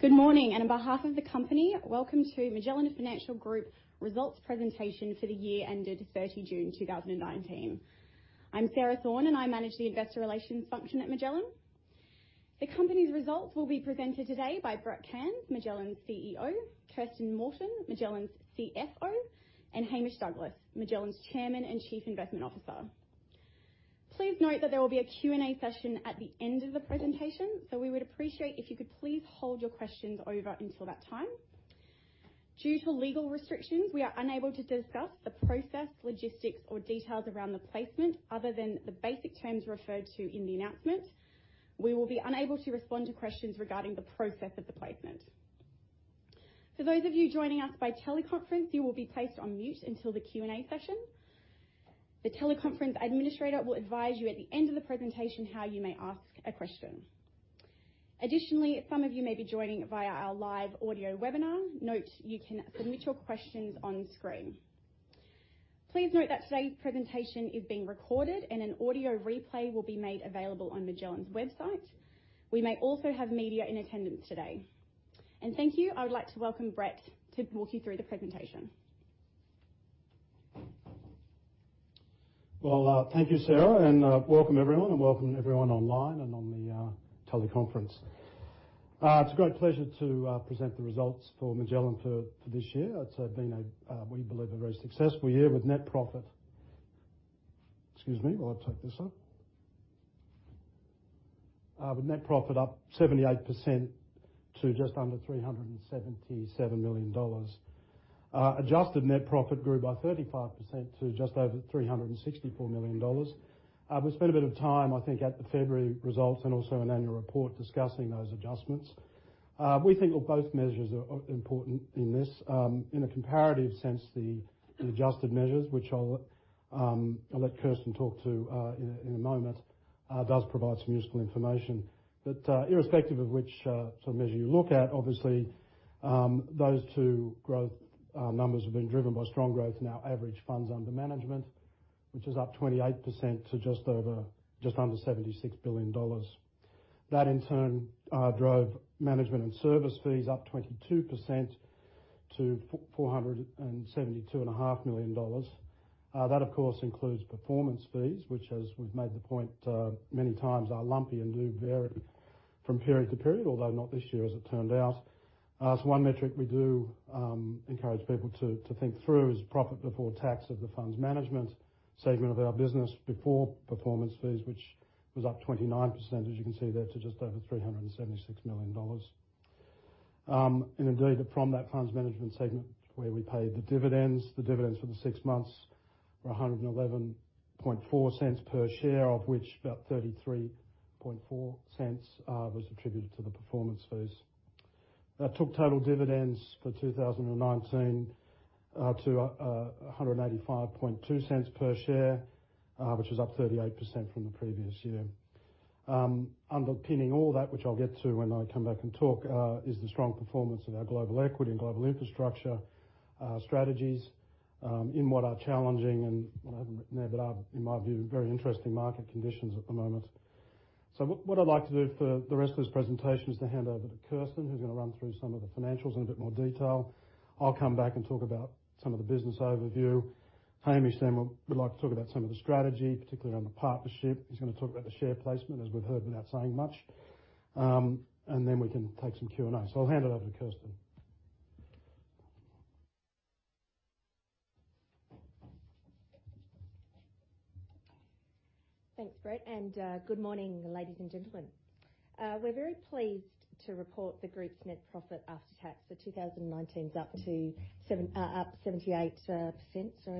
Good morning, on behalf of the company, welcome to Magellan Financial Group results presentation for the year ended 30 June 2019. I'm Sarah Thorne, and I manage the investor relations function at Magellan. The company's results will be presented today by Brett Cairns, Magellan's CEO, Kirsten Morton, Magellan's CFO, and Hamish Douglass, Magellan's Chairman and Chief Investment Officer. Please note that there will be a Q&A session at the end of the presentation, so we would appreciate if you could please hold your questions over until that time. Due to legal restrictions, we are unable to discuss the process, logistics, or details around the placement other than the basic terms referred to in the announcement. We will be unable to respond to questions regarding the process of the placement. For those of you joining us by teleconference, you will be placed on mute until the Q&A session. The teleconference administrator will advise you at the end of the presentation how you may ask a question. Additionally, some of you may be joining via our live audio webinar. Note, you can submit your questions on screen. Please note that today's presentation is being recorded, and an audio replay will be made available on Magellan's website. We may also have media in attendance today. Thank you, I would like to welcome Brett to walk you through the presentation. Well, thank you, Sarah, and welcome everyone, and welcome everyone online and on the teleconference. It's a great pleasure to present the results for Magellan for this year. It's been, we believe, a very successful year with net profit. Excuse me while I take this off. With net profit up 78% to just under 377 million dollars. Adjusted net profit grew by 35% to just over 364 million dollars. We spent a bit of time, I think, at the February results and also in annual report discussing those adjustments. We think both measures are important in this. In a comparative sense, the adjusted measures, which I'll let Kirsten talk to in a moment, does provide some useful information. Irrespective of which measure you look at, obviously, those two growth numbers have been driven by strong growth in our average funds under management, which is up 28% to just under 76 billion dollars. That in turn drove management and service fees up 22% to 472.5 million dollars. That, of course, includes performance fees, which as we've made the point many times, are lumpy and do vary from period to period, although not this year as it turned out. One metric we do encourage people to think through is profit before tax of the funds management segment of our business before performance fees, which was up 29% as you can see there, to just over 376 million dollars. Indeed, from that funds management segment where we paid the dividends, the dividends for the six months were 1.114 per share, of which about 0.334 was attributed to the performance fees. That took total dividends for 2019 to 1.852 per share, which was up 38% from the previous year. Underpinning all that, which I'll get to when I come back and talk, is the strong performance of our Global Equity and Global Infrastructure strategies, in what are challenging and what I haven't written there but are, in my view, very interesting market conditions at the moment. What I'd like to do for the rest of this presentation is to hand over to Kirsten, who's going to run through some of the financials in a bit more detail. I'll come back and talk about some of the business overview. Hamish would like to talk about some of the strategy, particularly around the partnership. He's going to talk about the share placement, as we've heard, without saying much. Then we can take some Q&A. I'll hand it over to Kirsten. Thanks, Brett. Good morning, ladies and gentlemen. We're very pleased to report that the group's net profit after tax for 2019 is up 78% to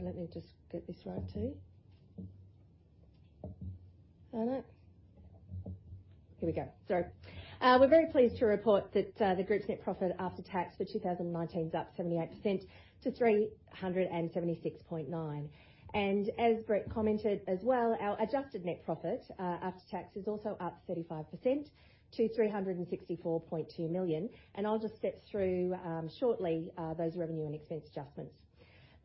376.9 million. As Brett commented as well, our adjusted net profit after tax is also up 35% to 364.2 million. I'll just step through shortly those revenue and expense adjustments.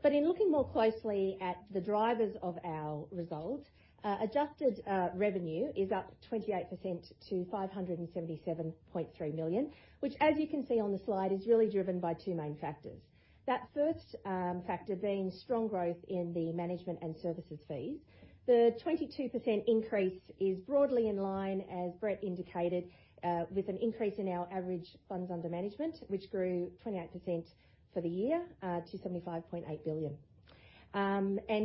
In looking more closely at the drivers of our result, adjusted revenue is up 28% to 577.3 million, which as you can see on the slide, is really driven by two main factors. That first factor being strong growth in the management and services fees. The 22% increase is broadly in line, as Brett indicated, with an increase in our average funds under management, which grew 28% for the year to 75.8 billion.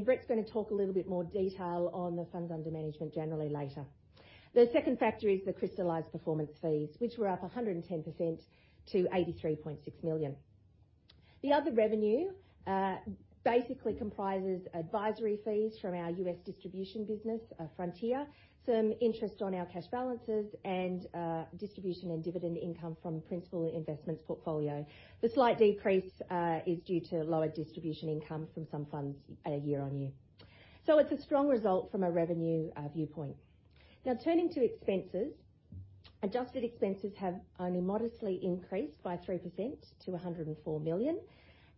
Brett's going to talk a little bit more detail on the funds under management generally later. The second factor is the crystallized performance fees, which were up 110% to 83.6 million. The other revenue basically comprises advisory fees from our U.S. distribution business, Frontier, some interest on our cash balances, and distribution and dividend income from principal investments portfolio. The slight decrease is due to lower distribution income from some funds at a year-over-year. It's a strong result from a revenue viewpoint. Turning to expenses. Adjusted expenses have only modestly increased by 3% to 104 million,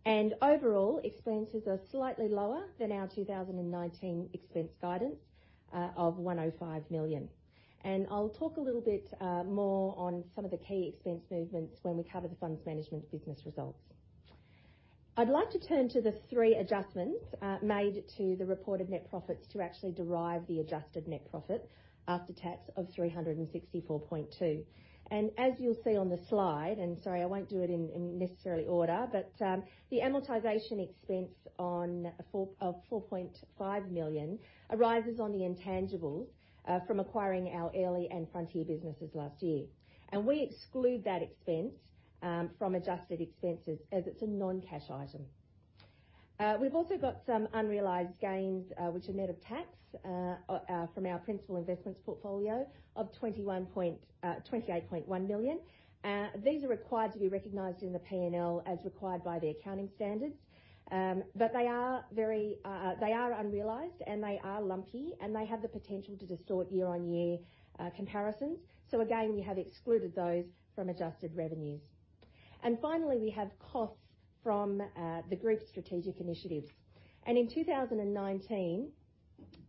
and overall, expenses are slightly lower than our 2019 expense guidance of 105 million. I'll talk a little bit more on some of the key expense movements when we cover the funds management business results. I'd like to turn to the three adjustments made to the reported net profits to actually derive the adjusted net profit after tax of 364.2 million. As you'll see on the slide, and sorry, I won't do it in necessarily order, but the amortization expense of 4.5 million arises on the intangibles from acquiring our Airlie and Frontier businesses last year. We exclude that expense from adjusted expenses as it's a non-cash item. We've also got some unrealized gains, which are net of tax from our principal investments portfolio of 28.1 million. These are required to be recognized in the P&L as required by the accounting standards. They are unrealized, and they are lumpy, and they have the potential to distort year-on-year comparisons. Again, we have excluded those from adjusted revenues. Finally, we have costs from the group's strategic initiatives. In 2019,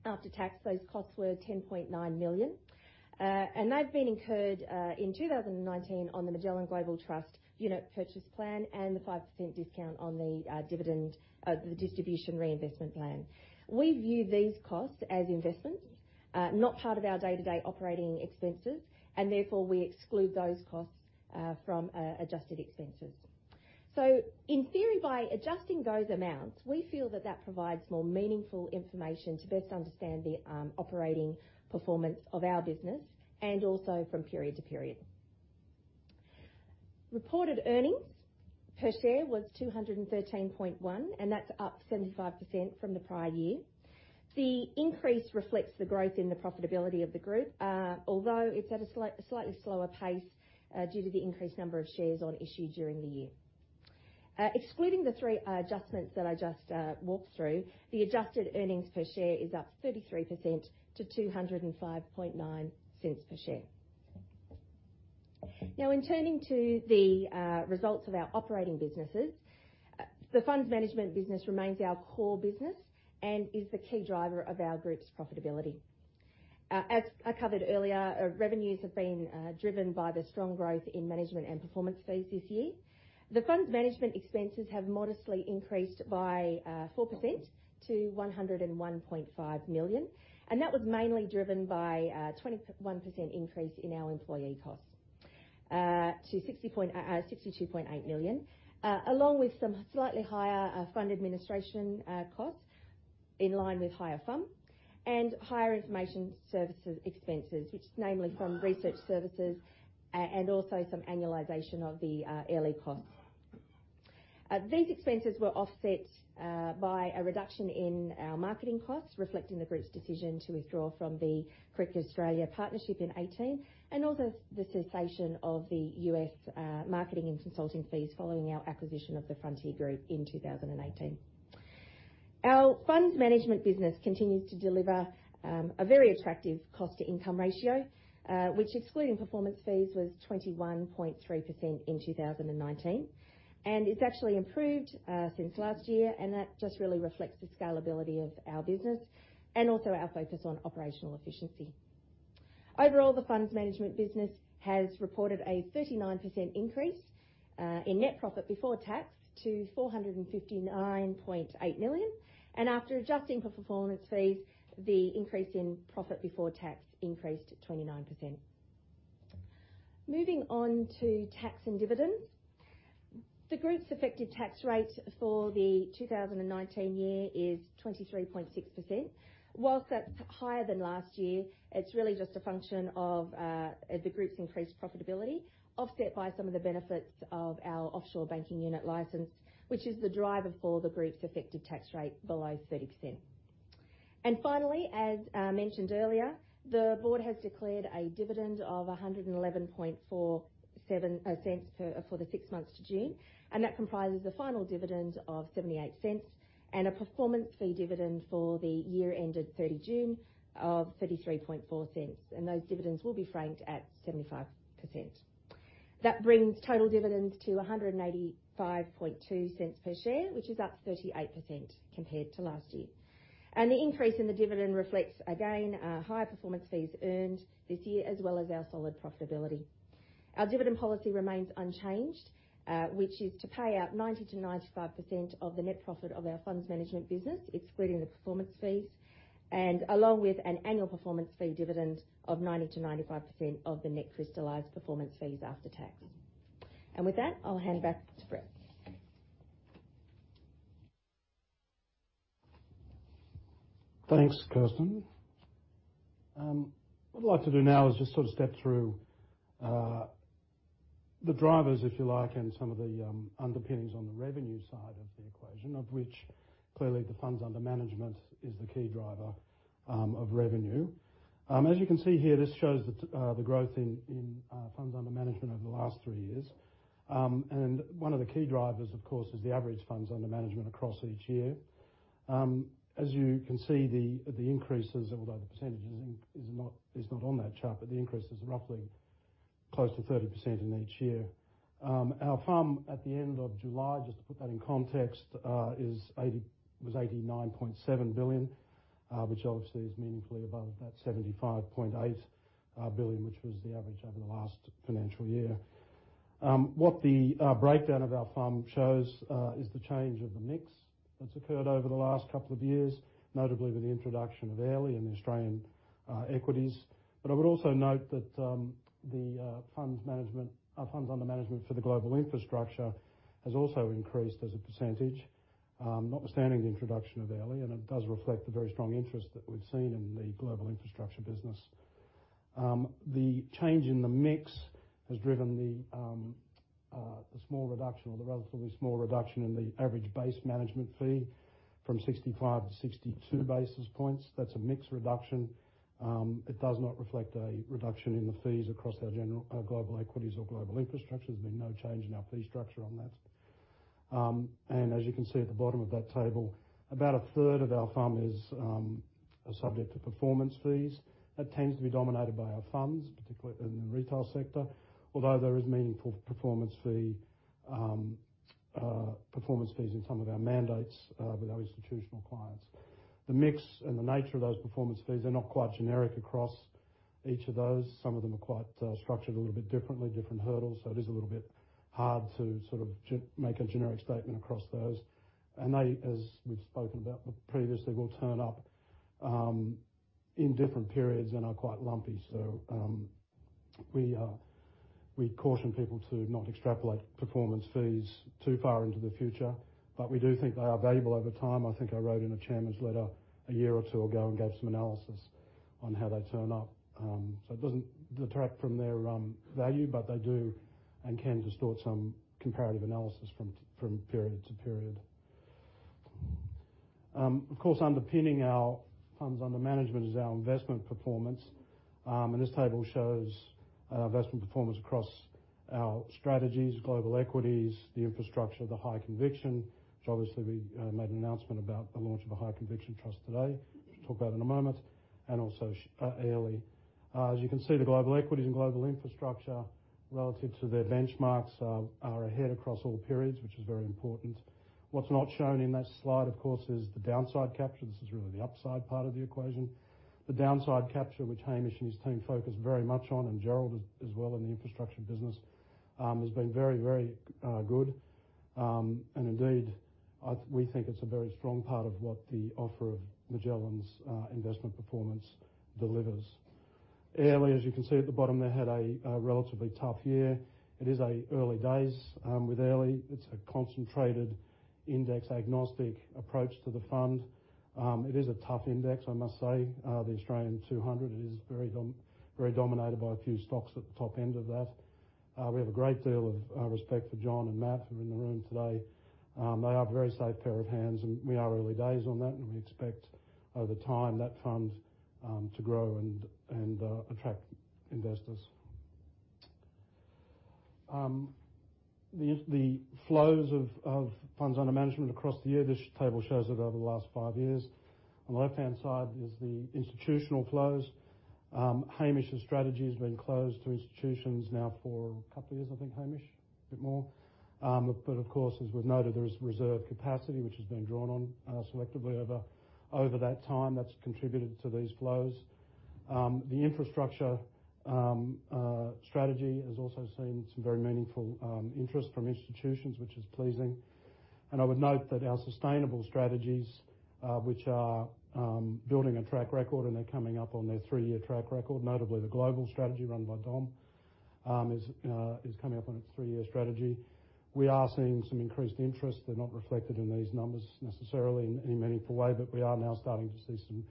after tax, those costs were 10.9 million. They've been incurred in 2019 on the Magellan Global Trust unit purchase plan and the 5% discount on the distribution reinvestment plan. We view these costs as investments, not part of our day-to-day operating expenses, and therefore we exclude those costs from adjusted expenses. In theory, by adjusting those amounts, we feel that that provides more meaningful information to best understand the operating performance of our business and also from period to period. Reported earnings per share was 213.1, and that's up 75% from the prior year. The increase reflects the growth in the profitability of the group, although it's at a slightly slower pace due to the increased number of shares on issue during the year. Excluding the three adjustments that I just walked through, the adjusted EPS is up 33% to 2.059 per share. Now, in turning to the results of our operating businesses, the funds management business remains our core business and is the key driver of our group's profitability. As I covered earlier, revenues have been driven by the strong growth in management and performance fees this year. The funds management expenses have modestly increased by 4% to 101.5 million. That was mainly driven by a 21% increase in our employee costs to 62.8 million, along with some slightly higher fund administration costs in line with higher FUM and higher information services expenses, which is namely from research services and also some annualization of the Airlie costs. These expenses were offset by a reduction in our marketing costs, reflecting the group's decision to withdraw from the Cricket Australia partnership in 2018, and also the cessation of the U.S. marketing and consulting fees following our acquisition of the Frontier Group in 2018. Our funds management business continues to deliver a very attractive cost-to-income ratio, which excluding performance fees was 21.3% in 2019. It's actually improved since last year, and that just really reflects the scalability of our business and also our focus on operational efficiency. Overall, the funds management business has reported a 39% increase in net profit before tax to 459.8 million. After adjusting for performance fees, the increase in profit before tax increased 29%. Moving on to tax and dividends. The group's effective tax rate for the 2019 year is 23.6%. Whilst that is higher than last year, it is really just a function of the group's increased profitability, offset by some of the benefits of our offshore banking unit license, which is the driver for the group's effective tax rate below 30%. Finally, as mentioned earlier, the board has declared a dividend of 1.1147 for the six months to June. That comprises the final dividend of 0.78 and a performance fee dividend for the year ended 30 June of 0.334. Those dividends will be franked at 75%. That brings total dividends to 1.852 per share, which is up 38% compared to last year. The increase in the dividend reflects, again, higher performance fees earned this year, as well as our solid profitability. Our dividend policy remains unchanged, which is to pay out 90%-95% of the net profit of our funds management business, excluding the performance fees, and along with an annual performance fee dividend of 90%-95% of the net crystallized performance fees after tax. With that, I'll hand back to Brett. Thanks, Kirsten. What I'd like to do now is just step through the drivers, if you like, and some of the underpinnings on the revenue side of the equation, of which clearly the funds under management is the key driver of revenue. As you can see here, this shows the growth in funds under management over the last three years. One of the key drivers, of course, is the average funds under management across each year. As you can see, the increases, although the percentage is not on that chart, the increase is roughly close to 30% in each year. Our FUM at the end of July, just to put that in context, was 89.7 billion, which obviously is meaningfully above that 75.8 billion, which was the average over the last financial year. What the breakdown of our FUM shows is the change of the mix that's occurred over the last couple of years, notably with the introduction of Airlie and Australian Equities. I would also note that the funds under management for the Global Infrastructure has also increased as a percentage, notwithstanding the introduction of Airlie, and it does reflect the very strong interest that we've seen in the Global Infrastructure business. The change in the mix has driven the relatively small reduction in the average base management fee from 65 basis points to 62 basis points. That's a mix reduction. It does not reflect a reduction in the fees across our Global Equities or Global Infrastructure. There's been no change in our fee structure on that. As you can see at the bottom of that table, about a third of our FUM is subject to performance fees. That tends to be dominated by our funds, particularly in the retail sector, although there is meaningful performance fees in some of our mandates with our institutional clients. The mix and the nature of those performance fees are not quite generic across each of those. Some of them are quite structured a little bit differently, different hurdles. It is a little bit hard to make a generic statement across those. They, as we've spoken about previously, will turn up in different periods and are quite lumpy. We caution people to not extrapolate performance fees too far into the future, but we do think they are valuable over time. I think I wrote in a Chairman's Letter a year or two ago and gave some analysis on how they turn up. It doesn't detract from their value, but they do and can distort some comparative analysis from period to period. Of course, underpinning our funds under management is our investment performance. This table shows our investment performance across our strategies, Global Equities, the Infrastructure, the High Conviction, which obviously we made an announcement about the launch of a Magellan High Conviction Trust today, which we'll talk about in a moment, and also Airlie. You can see, the Global Equities and Global Infrastructure relative to their benchmarks are ahead across all periods, which is very important. What's not shown in that slide, of course, is the downside capture. This is really the upside part of the equation. The downside capture, which Hamish and his team focus very much on, and Gerald as well in the infrastructure business, has been very good. Indeed, we think it's a very strong part of what the offer of Magellan's investment performance delivers. Airlie, as you can see at the bottom there, had a relatively tough year. It is early days with Airlie. It's a concentrated index agnostic approach to the fund. It is a tough index, I must say. The S&P/ASX 200, it is very dominated by a few stocks at the top end of that. We have a great deal of respect for John and Matt Williams, who are in the room today. They are a very safe pair of hands. We are early days on that, and we expect over time that fund to grow and attract investors. The flows of funds under management across the year, this table shows it over the last five years. On the left-hand side is the institutional flows. Hamish's strategy has been closed to institutions now for a couple of years, I think, Hamish? A bit more. Of course, as we've noted, there is reserve capacity, which has been drawn on selectively over that time that's contributed to these flows. The infrastructure strategy has also seen some very meaningful interest from institutions, which is pleasing. I would note that our sustainable strategies, which are building a track record, and they're coming up on their three-year track record, notably the global strategy run by Dom, is coming up on its three-year strategy. We are seeing some increased interest. They're not reflected in these numbers necessarily in any meaningful way, we are now starting to see some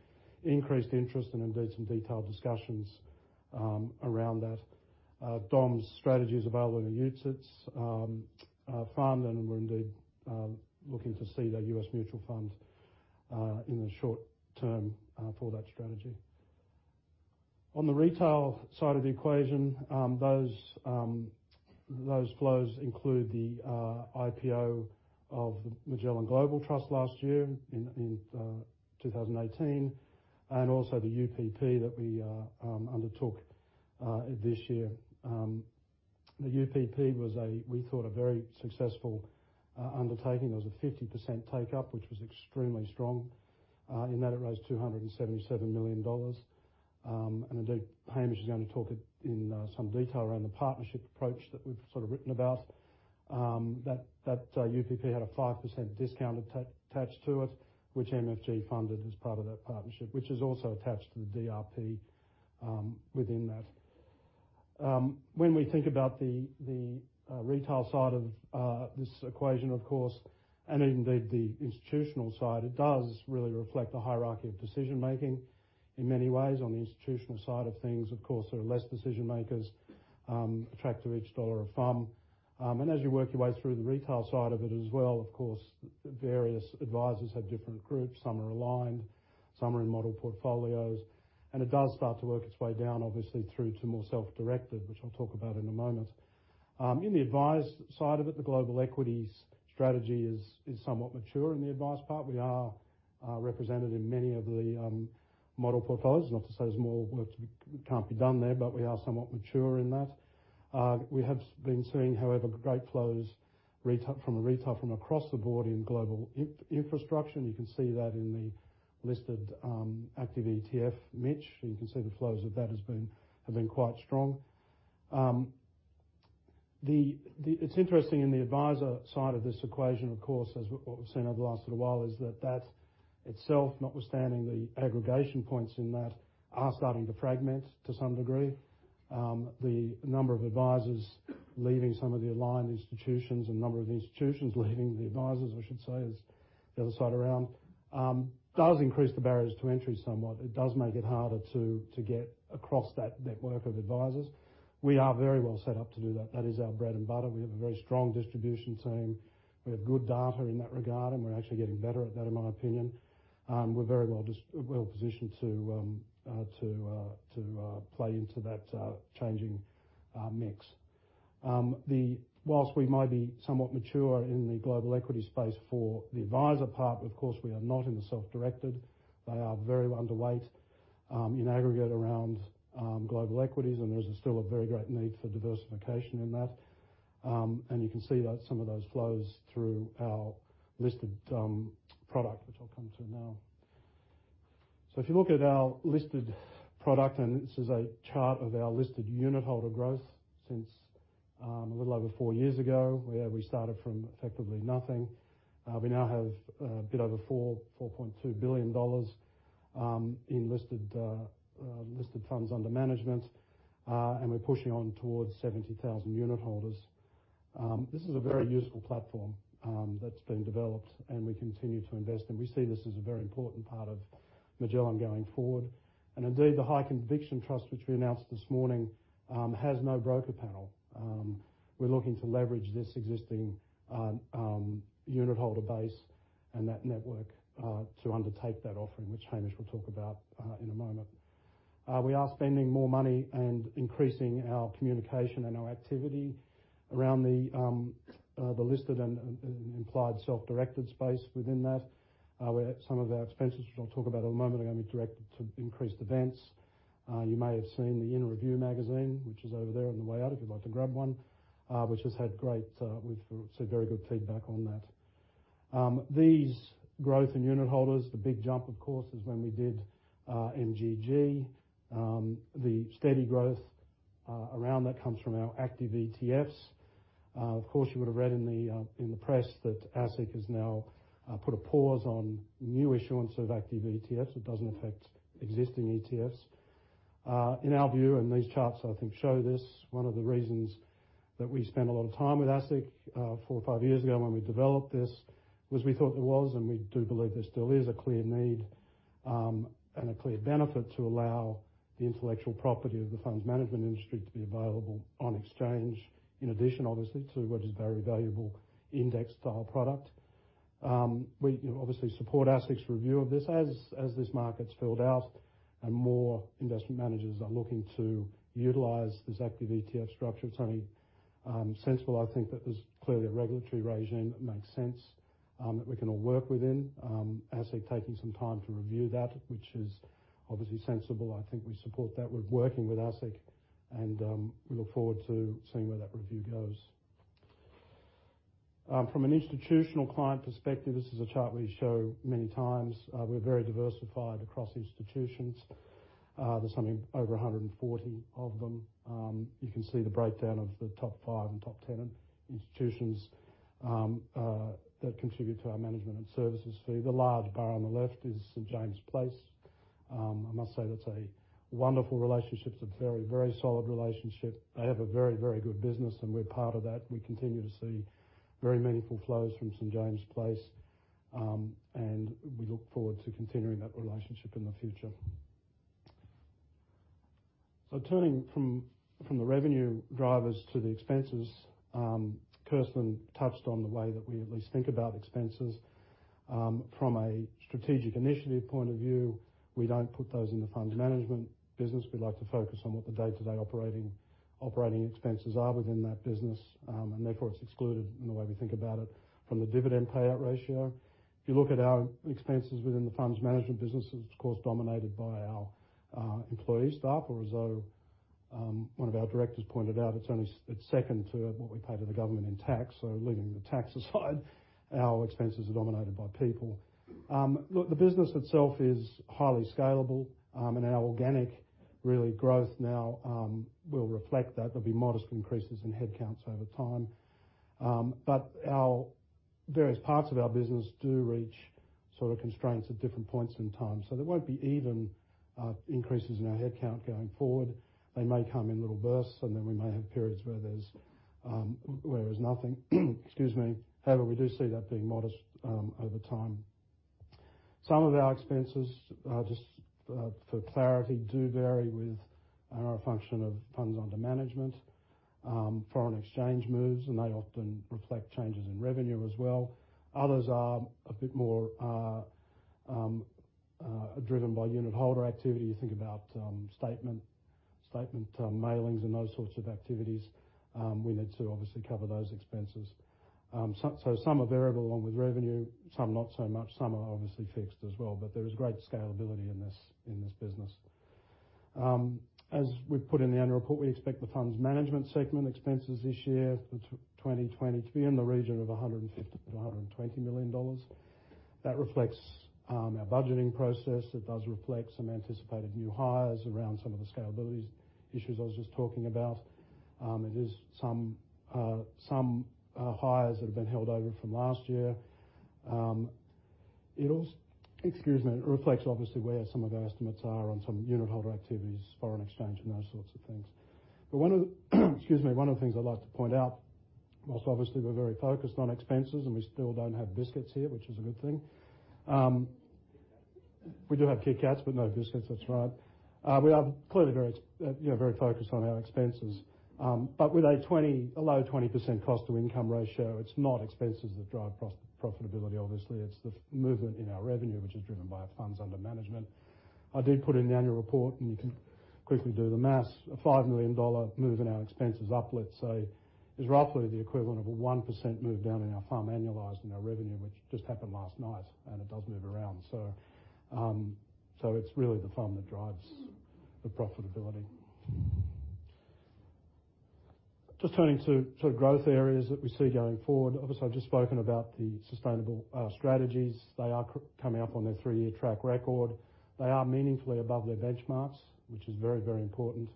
increased interest and indeed some detailed discussions around that. Dom's strategy is available in the UCITS fund. We're indeed looking to see that U.S. mutual fund in the short term for that strategy. On the retail side of the equation, those flows include the IPO of Magellan Global Trust last year in 2018, also the UPP that we undertook this year. The UPP was, we thought, a very successful undertaking. There was a 50% take-up, which was extremely strong, in that it raised 277 million dollars. Indeed, Hamish is going to talk in some detail around the partnership approach that we've sort of written about. That UPP had a 5% discount attached to it, which MFG funded as part of that partnership, which is also attached to the DRP within that. When we think about the retail side of this equation, of course, and indeed the institutional side, it does really reflect the hierarchy of decision-making in many ways. On the institutional side of things, of course, there are less decision-makers attracted to each AUD of FUM. As you work your way through the retail side of it as well, of course, various advisors have different groups. Some are aligned, some are in model portfolios. It does start to work its way down, obviously, through to more self-directed, which I'll talk about in a moment. In the advice side of it, the Global Equities strategy is somewhat mature in the advice part. We are represented in many of the Model portfolios, not to say there's more work can't be done there, but we are somewhat mature in that. We have been seeing, however, great flows from retail from across the board in Global Infrastructure. You can see that in the listed active ETF, MICH. You can see the flows of that have been quite strong. It's interesting in the adviser side of this equation, of course, as what we've seen over the last little while, is that that itself, notwithstanding the aggregation points in that, are starting to fragment to some degree. The number of advisers leaving some of the aligned institutions and number of institutions leaving the advisers, I should say, as the other side around, does increase the barriers to entry somewhat. It does make it harder to get across that network of advisers. We are very well set up to do that. That is our bread and butter. We have a very strong distribution team. We have good data in that regard, and we're actually getting better at that, in my opinion. We're very well positioned to play into that changing mix. Whilst we may be somewhat mature in the global equity space for the adviser part, of course, we are not in the self-directed. They are very underweight in aggregate around Global Equities, and there's still a very great need for diversification in that. You can see that some of those flows through our listed product, which I'll come to now. If you look at our listed product, and this is a chart of our listed unitholder growth since a little over four years ago, where we started from effectively nothing. We now have a bit over 4.2 billion dollars in listed funds under management, and we're pushing on towards 70,000 unitholders. This is a very useful platform that's been developed, and we continue to invest in. We see this as a very important part of Magellan going forward. Indeed, the High Conviction Trust, which we announced this morning, has no broker panel. We're looking to leverage this existing unitholder base and that network, to undertake that offering, which Hamish will talk about in a moment. We are spending more money and increasing our communication and our activity around the listed and implied self-directed space within that, where some of our expenses, which I'll talk about in a moment, are going to be directed to increased events. You may have seen the "In Review" magazine, which is over there on the way out if you'd like to grab one, which we've seen very good feedback on that. These growth in unitholders, the big jump, of course, is when we did MGG. The steady growth around that comes from our active ETFs. You would have read in the press that ASIC has now put a pause on new issuance of active ETFs. It doesn't affect existing ETFs. In our view, and these charts, I think, show this, one of the reasons that we spent a lot of time with ASIC four or five years ago when we developed this was we thought there was, and we do believe there still is a clear need, and a clear benefit to allow the intellectual property of the funds management industry to be available on exchange, in addition, obviously, to what is a very valuable index style product. We obviously support ASIC's review of this. As this market's filled out and more investment managers are looking to utilize this active ETF structure, it's only sensible, I think, that there's clearly a regulatory regime that makes sense, that we can all work within. ASIC taking some time to review that, which is obviously sensible. I think we support that. We're working with ASIC, and we look forward to seeing where that review goes. From an institutional client perspective, this is a chart we show many times. We're very diversified across institutions. There's something over 140 of them. You can see the breakdown of the top five and top 10 institutions that contribute to our management and services fee. The large bar on the left is St. James's Place. I must say that's a wonderful relationship, it's a very, very solid relationship. They have a very, very good business, and we're part of that, and we continue to see very meaningful flows from St. James's Place. We look forward to continuing that relationship in the future. Turning from the revenue drivers to the expenses, Kirsten touched on the way that we at least think about expenses. From a strategic initiative point of view, we don't put those in the funds management business. We like to focus on what the day-to-day operating expenses are within that business. Therefore, it's excluded in the way we think about it from the dividend payout ratio. If you look at our expenses within the funds management business, it's of course, dominated by our employee staff. As one of our directors pointed out, it's second to what we pay to the government in tax. Leaving the tax aside, our expenses are dominated by people. The business itself is highly scalable, and our organic really growth now, will reflect that. There'll be modest increases in headcounts over time. Our various parts of our business do reach sort of constraints at different points in time. There won't be even increases in our headcount going forward. They may come in little bursts, and then we may have periods where there's nothing. Excuse me. We do see that being modest over time. Some of our expenses, just for clarity, do vary with and are a function of funds under management, foreign exchange moves, and they often reflect changes in revenue as well. Others are a bit more driven by unitholder activity. You think about statement mailings and those sorts of activities, we need to obviously cover those expenses. Some are variable along with revenue, some not so much. Some are obviously fixed as well, there is great scalability in this business. As we've put in the annual report, we expect the funds management segment expenses this year for 2020 to be in the region of 115 million to 120 million dollars. That reflects our budgeting process. It does reflect some anticipated new hires around some of the scalability issues I was just talking about. It is some hires that have been held over from last year. Excuse me. It reflects obviously where some of our estimates are on some unitholder activities, foreign exchange and those sorts of things. One of the things I'd like to point out, whilst obviously we're very focused on expenses and we still don't have biscuits here, which is a good thing. Kit Kat. We do have Kit Kats, but no biscuits, that's right. We are clearly very focused on our expenses. With a low 20% cost-to-income ratio, it's not expenses that drive profitability, obviously, it's the movement in our revenue, which is driven by our funds under management. I did put in the annual report, and you can quickly do the maths, a 5 million dollar move in our expenses up, let's say, is roughly the equivalent of a 1% move down in our fund annualized in our revenue, which just happened last night, and it does move around. It's really the fund that drives the profitability. Just turning to growth areas that we see going forward. Obviously, I've just spoken about the sustainable strategies. They are coming up on their three-year track record. They are meaningfully above their benchmarks, which is very, very important.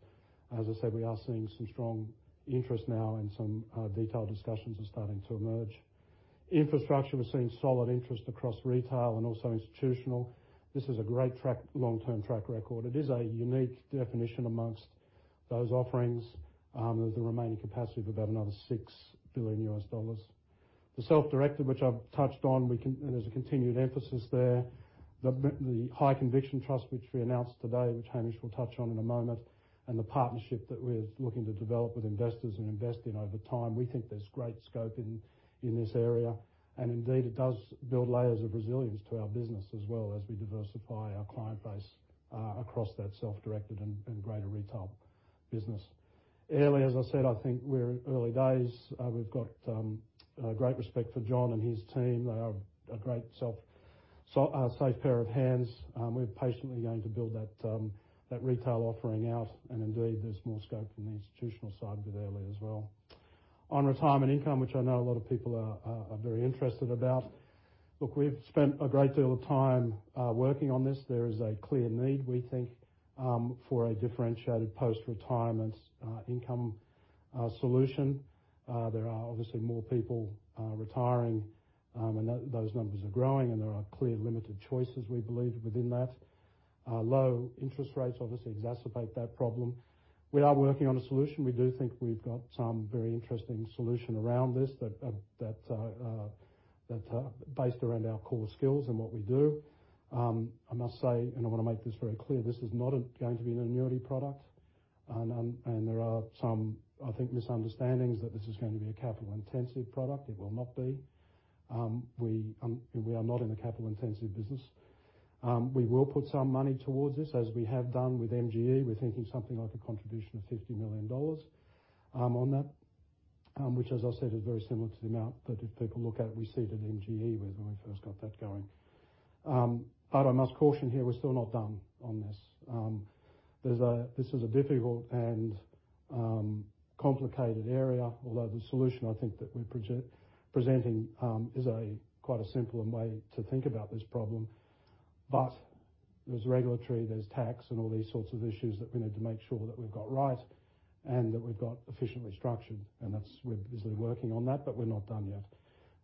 As I said, we are seeing some strong interest now and some detailed discussions are starting to emerge. Infrastructure, we're seeing solid interest across retail and also institutional. This is a great long-term track record. It is a unique definition amongst those offerings. There's a remaining capacity of about another U.S. $6 billion. The self-directed, which I've touched on, and there's a continued emphasis there. The Magellan High Conviction Trust, which we announced today, which Hamish will touch on in a moment, and the partnership that we're looking to develop with investors and invest in over time, we think there's great scope in this area. Indeed, it does build layers of resilience to our business as well as we diversify our client base across that self-directed and greater retail business. Airlie, as I said, I think we're early days. We've got great respect for John and his team. They are a great safe pair of hands. We're patiently going to build that retail offering out, and indeed, there's more scope in the institutional side with Airlie as well. On retirement income, which I know a lot of people are very interested about. Look, we've spent a great deal of time working on this. There is a clear need, we think, for a differentiated post-retirement income solution. There are obviously more people retiring, and those numbers are growing, and there are clear limited choices we believe within that. Low interest rates obviously exacerbate that problem. We are working on a solution. We do think we've got some very interesting solution around this that's based around our core skills and what we do. I must say, and I want to make this very clear, this is not going to be an annuity product. There are some, I think, misunderstandings that this is going to be a capital-intensive product. It will not be. We are not in a capital-intensive business. We will put some money towards this, as we have done with MGE. We're thinking something like a contribution of 50 million dollars on that, which, as I said, is very similar to the amount that if people look at, we seeded MGE with when we first got that going. I must caution here, we're still not done on this. This is a difficult and complicated area, although the solution I think that we're presenting is a quite a simpler way to think about this problem. There's regulatory, there's tax, and all these sorts of issues that we need to make sure that we've got right and that we've got efficiently structured, and we're busily working on that, but we're not done yet.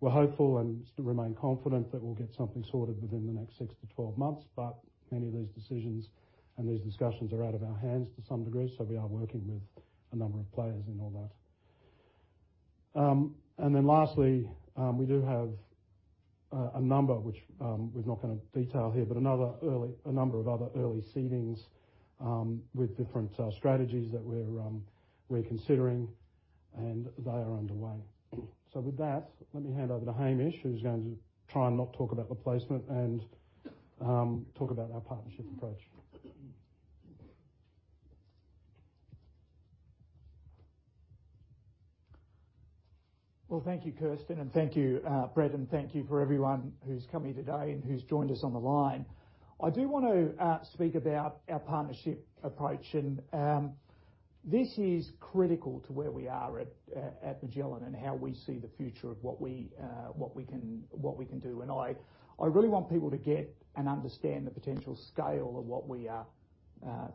We're hopeful and remain confident that we'll get something sorted within the next 6months-12 months, but many of these decisions and these discussions are out of our hands to some degree, so we are working with a number of players in all that. Lastly, we do have a number, which we're not going to detail here, but a number of other early seedings with different strategies that we're considering, and they are underway. With that, let me hand over to Hamish, who's going to try and not talk about the placement and talk about our partnership approach. Well, thank you, Kirsten, and thank you, Brett, and thank you for everyone who's come here today and who's joined us on the line. I do want to speak about our partnership approach, and this is critical to where we are at Magellan and how we see the future of what we can do. I really want people to get and understand the potential scale of what we are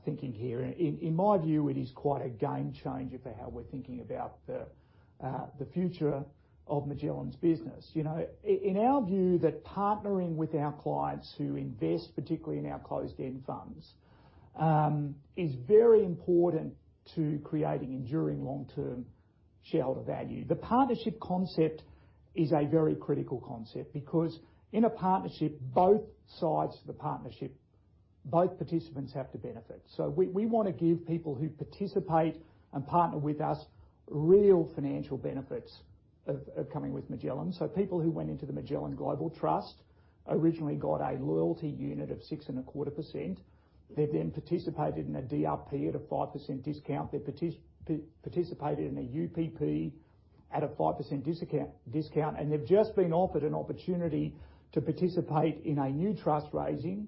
thinking here. In my view, it is quite a game changer for how we're thinking about the future of Magellan's business. In our view, that partnering with our clients who invest, particularly in our closed-end funds, is very important to creating enduring long-term shareholder value. The partnership concept is a very critical concept because in a partnership, both sides of the partnership, both participants have to benefit. We want to give people who participate and partner with us real financial benefits of coming with Magellan. People who went into the Magellan Global Trust originally got a loyalty unit of 6.25%. They've then participated in a DRP at a 5% discount. They participated in a UPP at a 5% discount, and they've just been offered an opportunity to participate in a new trust raising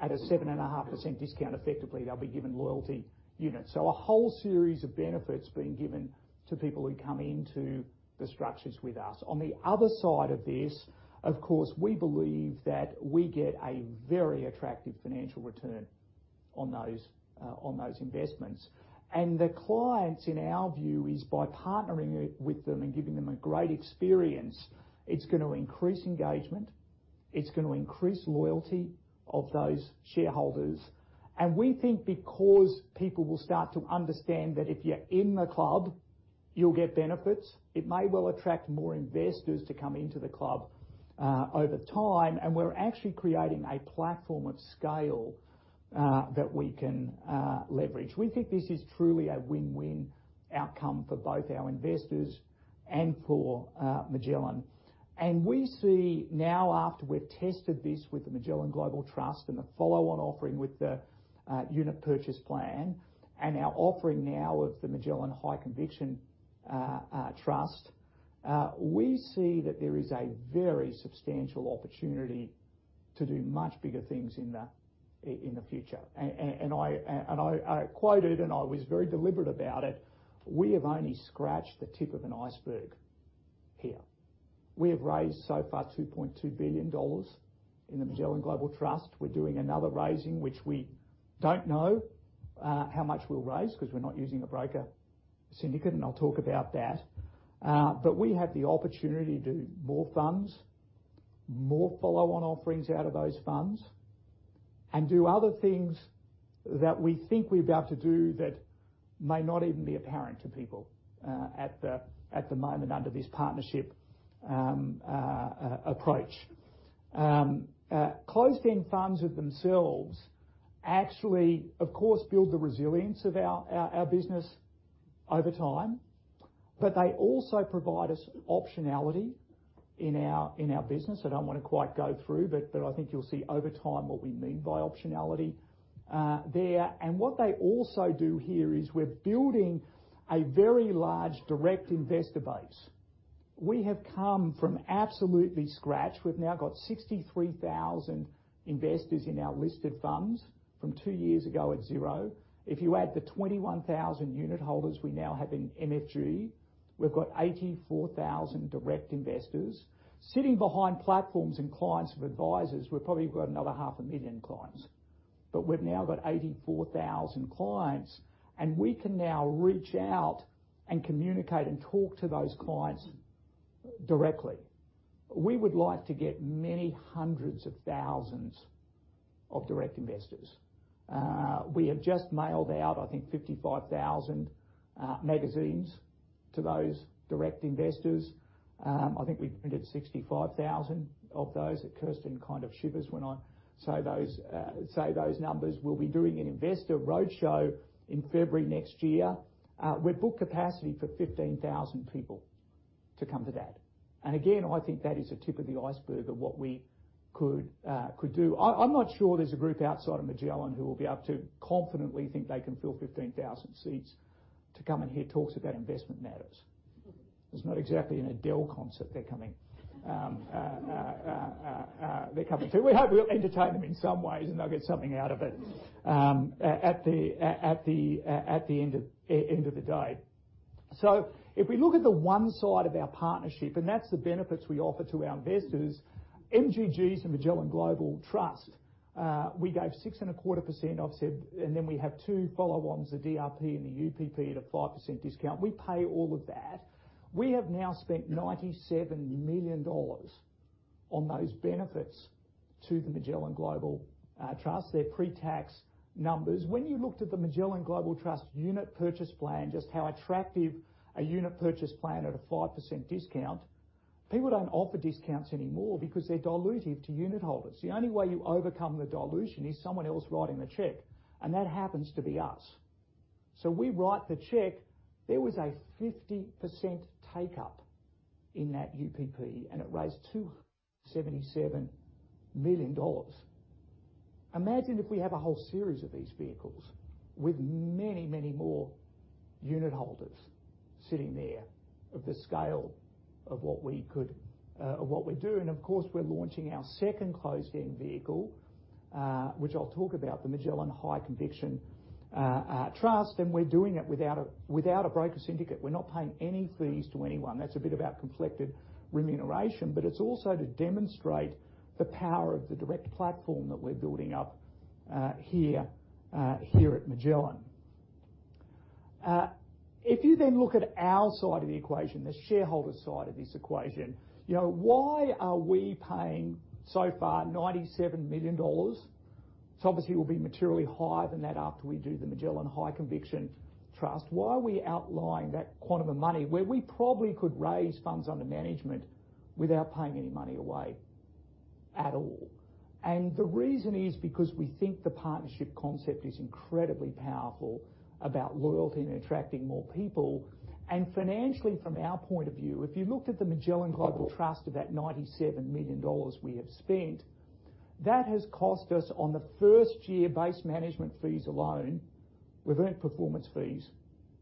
at a 7.5% discount. Effectively, they'll be given loyalty units. A whole series of benefits being given to people who come into the structures with us. On the other side of this, of course, we believe that we get a very attractive financial return on those investments. The clients, in our view, is by partnering with them and giving them a great experience, it's going to increase engagement, it's going to increase loyalty of those shareholders. We think because people will start to understand that if you're in the club, you'll get benefits. It may well attract more investors to come into the club over time, and we're actually creating a platform of scale that we can leverage. We think this is truly a win-win outcome for both our investors and for Magellan. We see now after we've tested this with the Magellan Global Trust and the follow-on offering with the unit purchase plan and our offering now of the Magellan High Conviction Trust, we see that there is a very substantial opportunity to do much bigger things in the future. I quoted, and I was very deliberate about it, we have only scratched the tip of an iceberg here. We have raised so far 2.2 billion dollars in the Magellan Global Trust. We're doing another raising, which we don't know how much we'll raise because we're not using a broker syndicate, and I'll talk about that. We have the opportunity to do more funds, more follow-on offerings out of those funds, and do other things that we think we're about to do that may not even be apparent to people at the moment under this partnership approach. Closed-end funds of themselves actually, of course, build the resilience of our business over time, but they also provide us optionality in our business. I don't want to quite go through, but I think you'll see over time what we mean by optionality there. What they also do here is we're building a very large direct investor base. We have come from absolutely scratch. We've now got 63,000 investors in our listed funds from two years ago at zero. If you add the 21,000 unit holders we now have in MFG, we've got 84,000 direct investors. Sitting behind platforms and clients of advisors, we've probably got another half a million clients, but we've now got 84,000 clients, and we can now reach out and communicate and talk to those clients directly. We would like to get many hundreds of thousands of direct investors. We have just mailed out, I think, 55,000 magazines to those direct investors. I think we printed 65,000 of those. Kirsten kind of shivers when I say those numbers. We'll be doing an investor road show in February next year. We've booked capacity for 15,000 people to come to that. Again, I think that is a tip of the iceberg of what we could do. I'm not sure there's a group outside of Magellan who will be able to confidently think they can fill 15,000 seats to come and hear talks about investment matters. It's not exactly an Adele concert they're coming to. We hope we'll entertain them in some ways, and they'll get something out of it at the end of the day. If we look at the one side of our partnership, and that's the benefits we offer to our investors, MGGs and Magellan Global Trust, we gave 6.25% off, and then we have two follow-ons, the DRP and the UPP at a 5% discount. We pay all of that. We have now spent 97 million dollars on those benefits to the Magellan Global Trust. They're pre-tax numbers. When you looked at the Magellan Global Trust unit purchase plan, just how attractive a unit purchase plan at a 5% discount, people don't offer discounts anymore because they're dilutive to unitholders. The only way you overcome the dilution is someone else writing the check, and that happens to be us. We write the check. There was a 50% take-up in that UPP, and it raised 277 million dollars. Imagine if we have a whole series of these vehicles with many more unitholders sitting there of the scale of what we do. Of course, we're launching our second closed-end vehicle, which I'll talk about, the Magellan High Conviction Trust, and we're doing it without a broker syndicate. We're not paying any fees to anyone. That's a bit about conflicted remuneration, but it's also to demonstrate the power of the direct platform that we're building up here at Magellan. If you look at our side of the equation, the shareholder side of this equation, why are we paying so far 97 million dollars? It's obviously will be materially higher than that after we do the Magellan High Conviction Trust. Why are we outlaying that quantum of money where we probably could raise funds under management without paying any money away at all? The reason is because we think the partnership concept is incredibly powerful about loyalty and attracting more people. Financially, from our point of view, if you looked at the Magellan Global Trust, of that 97 million dollars we have spent, that has cost us on the first-year base management fees alone. We've earned performance fees,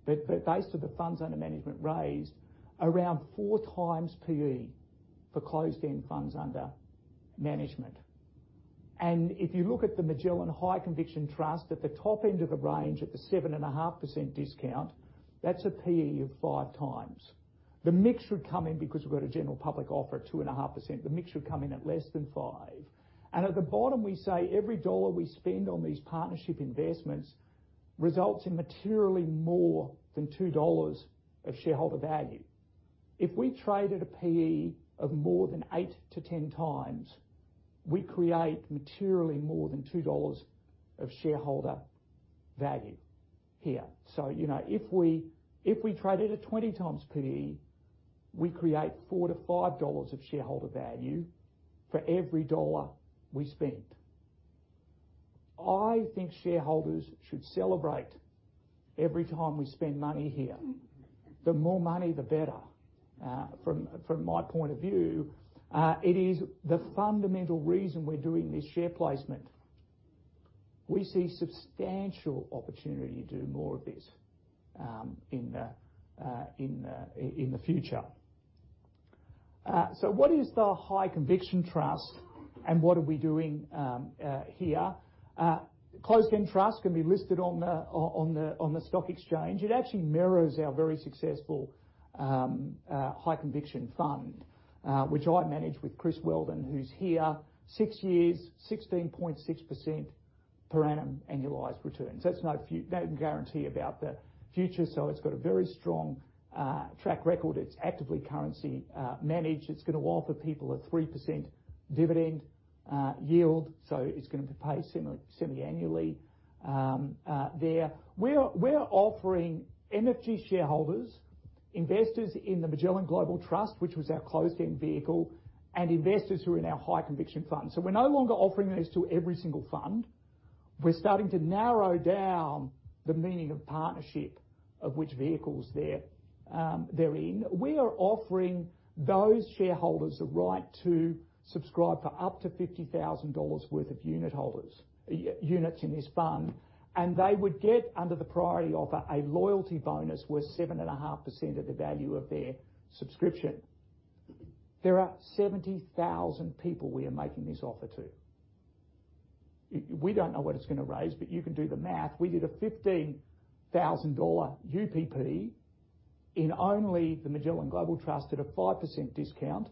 but based on the funds under management raised around 4x PE for closed-end funds under management. If you look at the Magellan High Conviction Trust at the top end of the range at the 7.5% discount, that's a PE of 5x. The mix should come in because we've got a general public offer at 2.5%. The mix should come in at less than five. At the bottom, we say every dollar we spend on these partnership investments results in materially more than 2 dollars of shareholder value. If we traded a PE of more than 8x-10 times, we create materially more than 2 dollars of shareholder value here. If we trade it at 20x PE, we create 4 to 5 dollars of shareholder value for every dollar we spend. I think shareholders should celebrate every time we spend money here. The more money, the better. From my point of view, it is the fundamental reason we're doing this share placement. We see substantial opportunity to do more of this in the future. What is the High Conviction Trust and what are we doing here? Closed-end trusts can be listed on the stock exchange. It actually mirrors our very successful High Conviction Fund, which I manage with Chris Weldon, who's here six years, 16.6% per annum annualized returns. That's no guarantee about the future. It's got a very strong track record. It's actively currency managed. It's going to offer people a 3% dividend yield, so it's going to pay semi-annually. We're offering MFG shareholders, investors in the Magellan Global Trust, which was our closed-end vehicle, and investors who are in our High Conviction Fund. We're no longer offering these to every single fund. We're starting to narrow down the meaning of partnership, of which vehicles they're in. We are offering those shareholders the right to subscribe for up to 50,000 dollars worth of unit holders, units in this fund, and they would get, under the priority offer, a loyalty bonus worth 7.5% of the value of their subscription. There are 70,000 people we are making this offer to. We don't know what it's going to raise, you can do the math. We did a 15,000 dollar UPP in only the Magellan Global Trust at a 5% discount,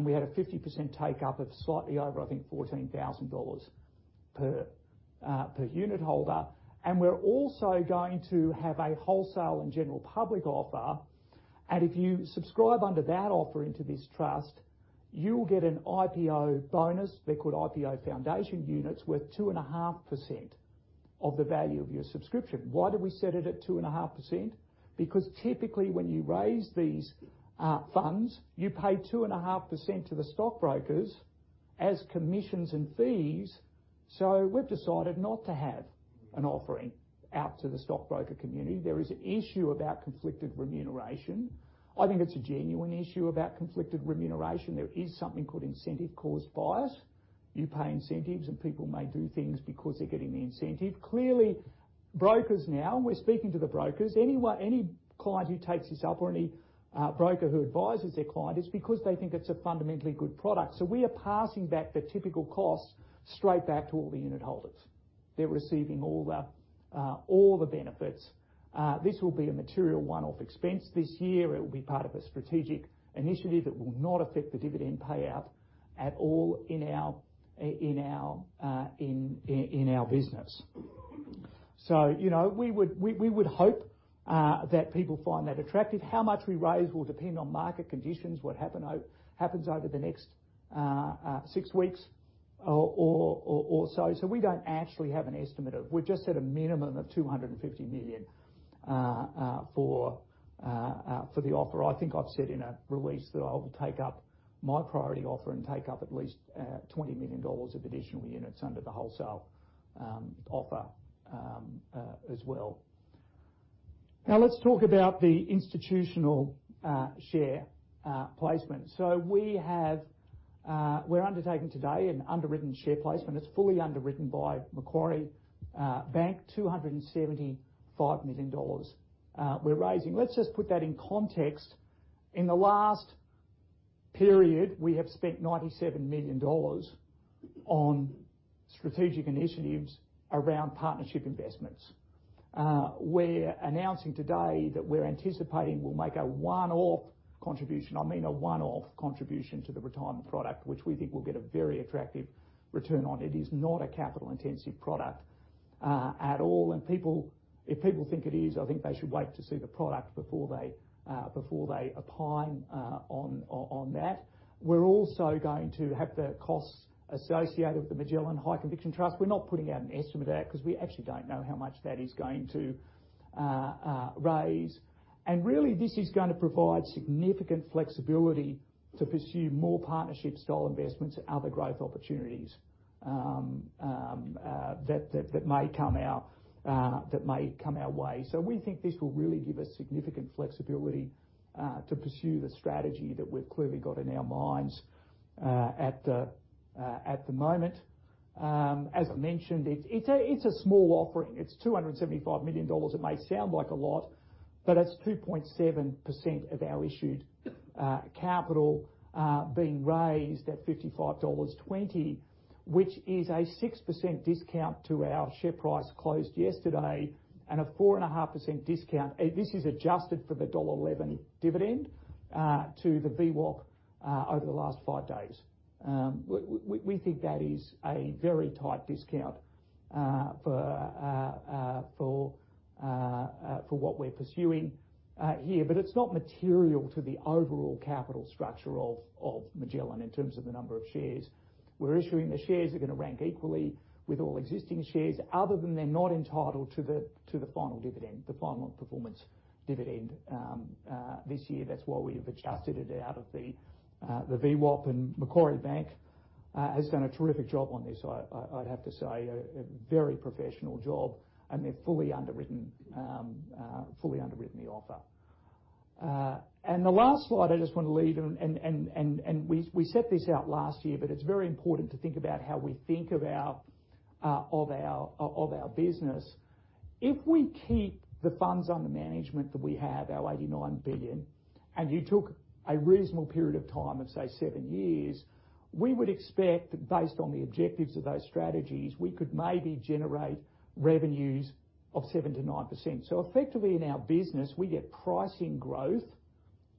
we had a 50% take up of slightly over, I think, 14,000 dollars per unit holder. We're also going to have a wholesale and general public offer. If you subscribe under that offer into this trust, you'll get an IPO bonus. They're called IPO foundation units worth 2.5% of the value of your subscription. Why do we set it at 2.5%? Because typically when you raise these funds, you pay 2.5% to the stockbrokers as commissions and fees. We've decided not to have an offering out to the stockbroker community. There is an issue about conflicted remuneration. I think it's a genuine issue about conflicted remuneration. There is something called incentive-caused bias. You pay incentives, and people may do things because they're getting the incentive. Clearly, brokers now, we're speaking to the brokers. Any client who takes this up or any broker who advises their client, it's because they think it's a fundamentally good product. We are passing back the typical cost straight back to all the unitholders. They're receiving all the benefits. This will be a material one-off expense this year. It will be part of a strategic initiative that will not affect the dividend payout at all in our business. We would hope that people find that attractive. How much we raise will depend on market conditions, what happens over the next six weeks or so. We don't actually have an estimate. We've just set a minimum of 250 million for the offer. I think I've said in a release that I will take up my priority offer and take up at least 20 million dollars of additional units under the wholesale offer as well. Let's talk about the institutional share placement. We're undertaking today an underwritten share placement. It's fully underwritten by Macquarie Bank, 275 million dollars we're raising. Let's just put that in context. In the last period, we have spent 97 million dollars on strategic initiatives around partnership investments. We're announcing today that we're anticipating we'll make a one-off contribution, I mean a one-off contribution to the retirement product, which we think will get a very attractive return on. It is not a capital-intensive product at all. If people think it is, I think they should wait to see the product before they opine on that. We're also going to have the costs associated with the Magellan High Conviction Trust. We're not putting out an estimate there because we actually don't know how much that is going to raise. Really, this is going to provide significant flexibility to pursue more partnership-style investments and other growth opportunities that may come our way. We think this will really give us significant flexibility to pursue the strategy that we've clearly got in our minds at the moment. As I mentioned, it's a small offering. It's 275 million dollars. It may sound like a lot, it's 2.7% of our issued capital being raised at 55.20 dollars, which is a 6% discount to our share price closed yesterday and a 4.5% discount. This is adjusted for the dollar 1.11 dividend to the VWAP over the last five days. We think that is a very tight discount for what we're pursuing here. It's not material to the overall capital structure of Magellan in terms of the number of shares we're issuing. The shares are going to rank equally with all existing shares other than they're not entitled to the final dividend, the final performance dividend this year. That's why we've adjusted it out of the VWAP. Macquarie Bank has done a terrific job on this, I'd have to say. A very professional job, and they've fully underwritten the offer. The last slide I just want to leave, and we set this out last year, but it's very important to think about how we think of our business. If we keep the funds under management that we have, our 89 billion, and you took a reasonable period of time of, say, seven years, we would expect that based on the objectives of those strategies, we could maybe generate revenues of 7%-9%. Effectively in our business, we get pricing growth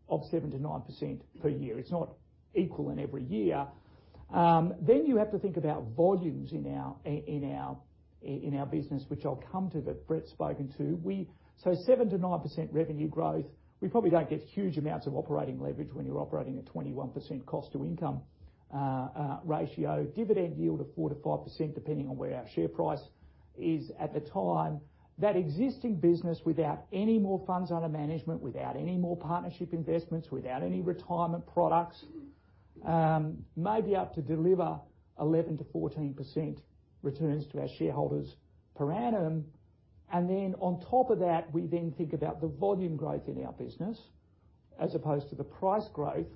of 7%-9% per year. It's not equal in every year. You have to think about volumes in our business, which I'll come to, that Brett's spoken to. 7%-9% revenue growth. We probably don't get huge amounts of operating leverage when you're operating at 21% cost-to-income ratio. Dividend yield of 4% to 5%, depending on where our share price is at the time. That existing business, without any more funds under management, without any more partnership investments, without any retirement products, may be up to deliver 11% to 14% returns to our shareholders per annum. On top of that, we then think about the volume growth in our business as opposed to the price growth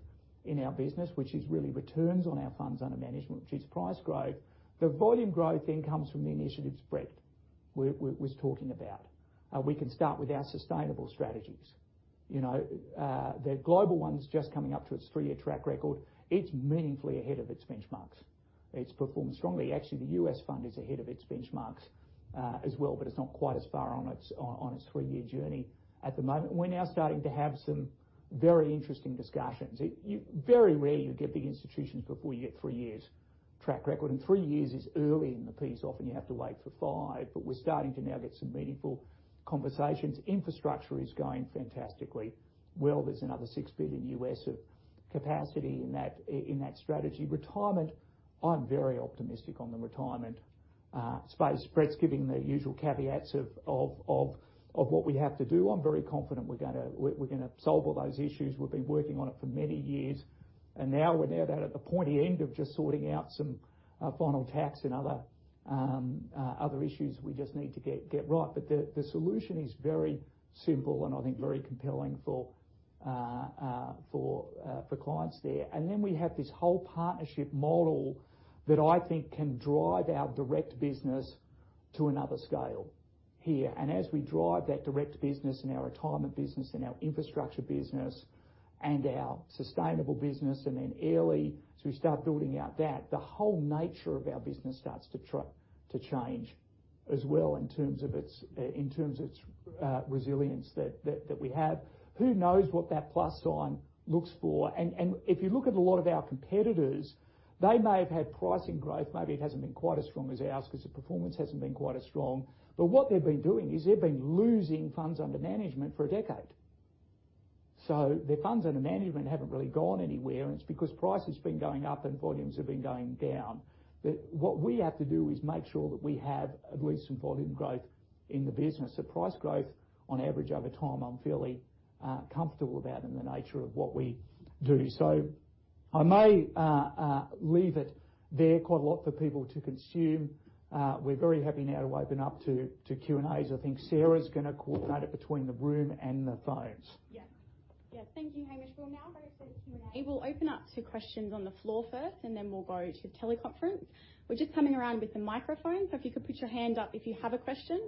in our business, which is really returns on our funds under management, which is price growth. The volume growth comes from the initiatives Brett was talking about. We can start with our sustainable strategies. The global one's just coming up to its three-year track record. It's meaningfully ahead of its benchmarks. It's performed strongly. Actually, the U.S. fund is ahead of its benchmarks as well, but it's not quite as far on its three-year journey at the moment. We're now starting to have some very interesting discussions. Very rare you get the institutions before you get three years track record, and three years is early in the piece. Often, you have to wait for five. We're starting to now get some meaningful conversations. Infrastructure is going fantastically well. There's another U.S. $6 billion of capacity in that strategy. Retirement, I'm very optimistic on the retirement space. Brett's giving the usual caveats of what we have to do. I'm very confident we're going to solve all those issues. We've been working on it for many years, we're now down at the pointy end of just sorting out some final tax and other issues we just need to get right. The solution is very simple and I think very compelling for clients there. We have this whole partnership model that I think can drive our direct business to another scale here. As we drive that direct business and our retirement business and our infrastructure business and our sustainable business, then Airlie, we start building out that, the whole nature of our business starts to change as well in terms of its resilience that we have. Who knows what that plus sign looks for. If you look at a lot of our competitors, they may have had pricing growth. Maybe it hasn't been quite as strong as ours because the performance hasn't been quite as strong. What they've been doing is they've been losing funds under management for a decade. Their funds under management haven't really gone anywhere, and it's because price has been going up and volumes have been going down. What we have to do is make sure that we have at least some volume growth in the business. The price growth on average over time, I'm fairly comfortable about in the nature of what we do. I may leave it there. Quite a lot for people to consume. We're very happy now to open up to Q&As. I think Sarah's going to coordinate it between the room and the phones. Thank you, Hamish. We'll now go to Q&A. We'll open up to questions on the floor first, and then we'll go to the teleconference. We're just coming around with the microphone. If you could put your hand up if you have a question,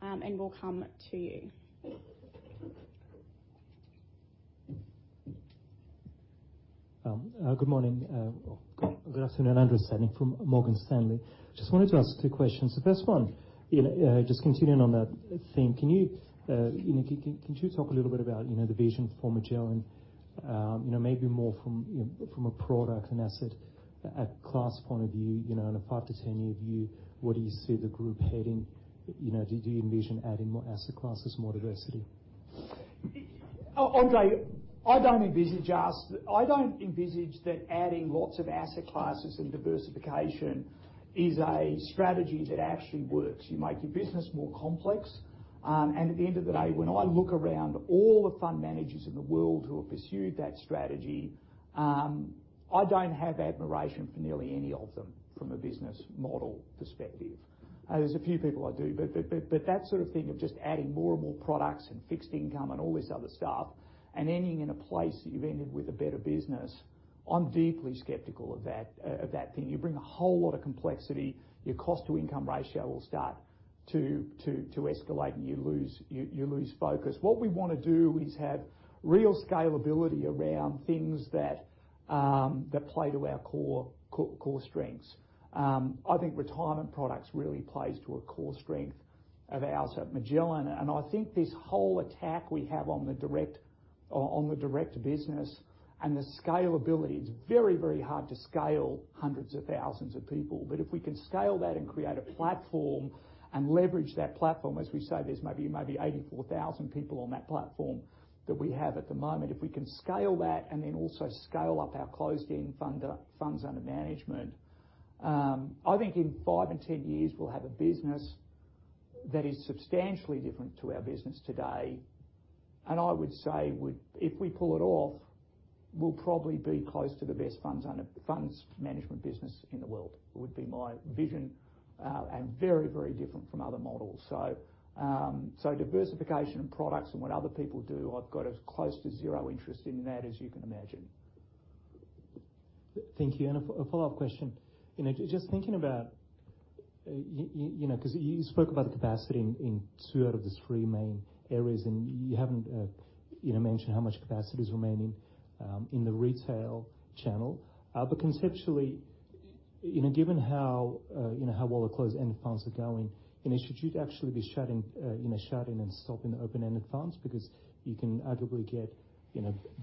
and we'll come to you. Good morning. Andre from Morgan Stanley. Just wanted to ask a few questions. The first one, just continuing on that theme, can you talk a little bit about the vision for Magellan? Maybe more from a product and asset class point of view. In a five to 10-year view, where do you see the group heading? Do you envision adding more asset classes, more diversity? Andre, I don't envisage that adding lots of asset classes and diversification is a strategy that actually works. You make your business more complex. At the end of the day, when I look around all the fund managers in the world who have pursued that strategy. I don't have admiration for nearly any of them from a business model perspective. There's a few people I do, but that sort of thing of just adding more and more products and fixed income and all this other stuff, and ending in a place that you've ended with a better business, I'm deeply skeptical of that thing. You bring a whole lot of complexity, your cost-to-income ratio will start to escalate, and you lose focus. What we want to do is have real scalability around things that play to our core strengths. I think retirement products really plays to a core strength of ours at Magellan. I think this whole attack we have on the direct business and the scalability, it is very hard to scale hundreds of thousands of people. If we can scale that and create a platform and leverage that platform, as we say, there is maybe 84,000 people on that platform that we have at the moment. If we can scale that and then also scale up our closed-end funds under management, I think in five and 10 years, we will have a business that is substantially different to our business today. I would say, if we pull it off, we will probably be close to the best funds management business in the world, would be my vision. Very different from other models. Diversification of products and what other people do, I've got a close to zero interest in that, as you can imagine. Thank you. A follow-up question. Just thinking about, because you spoke about the capacity in two out of the three main areas, and you haven't mentioned how much capacity is remaining in the retail channel. Conceptually, given how well the closed-end funds are going, should you actually be shutting and stopping the open-ended funds because you can arguably get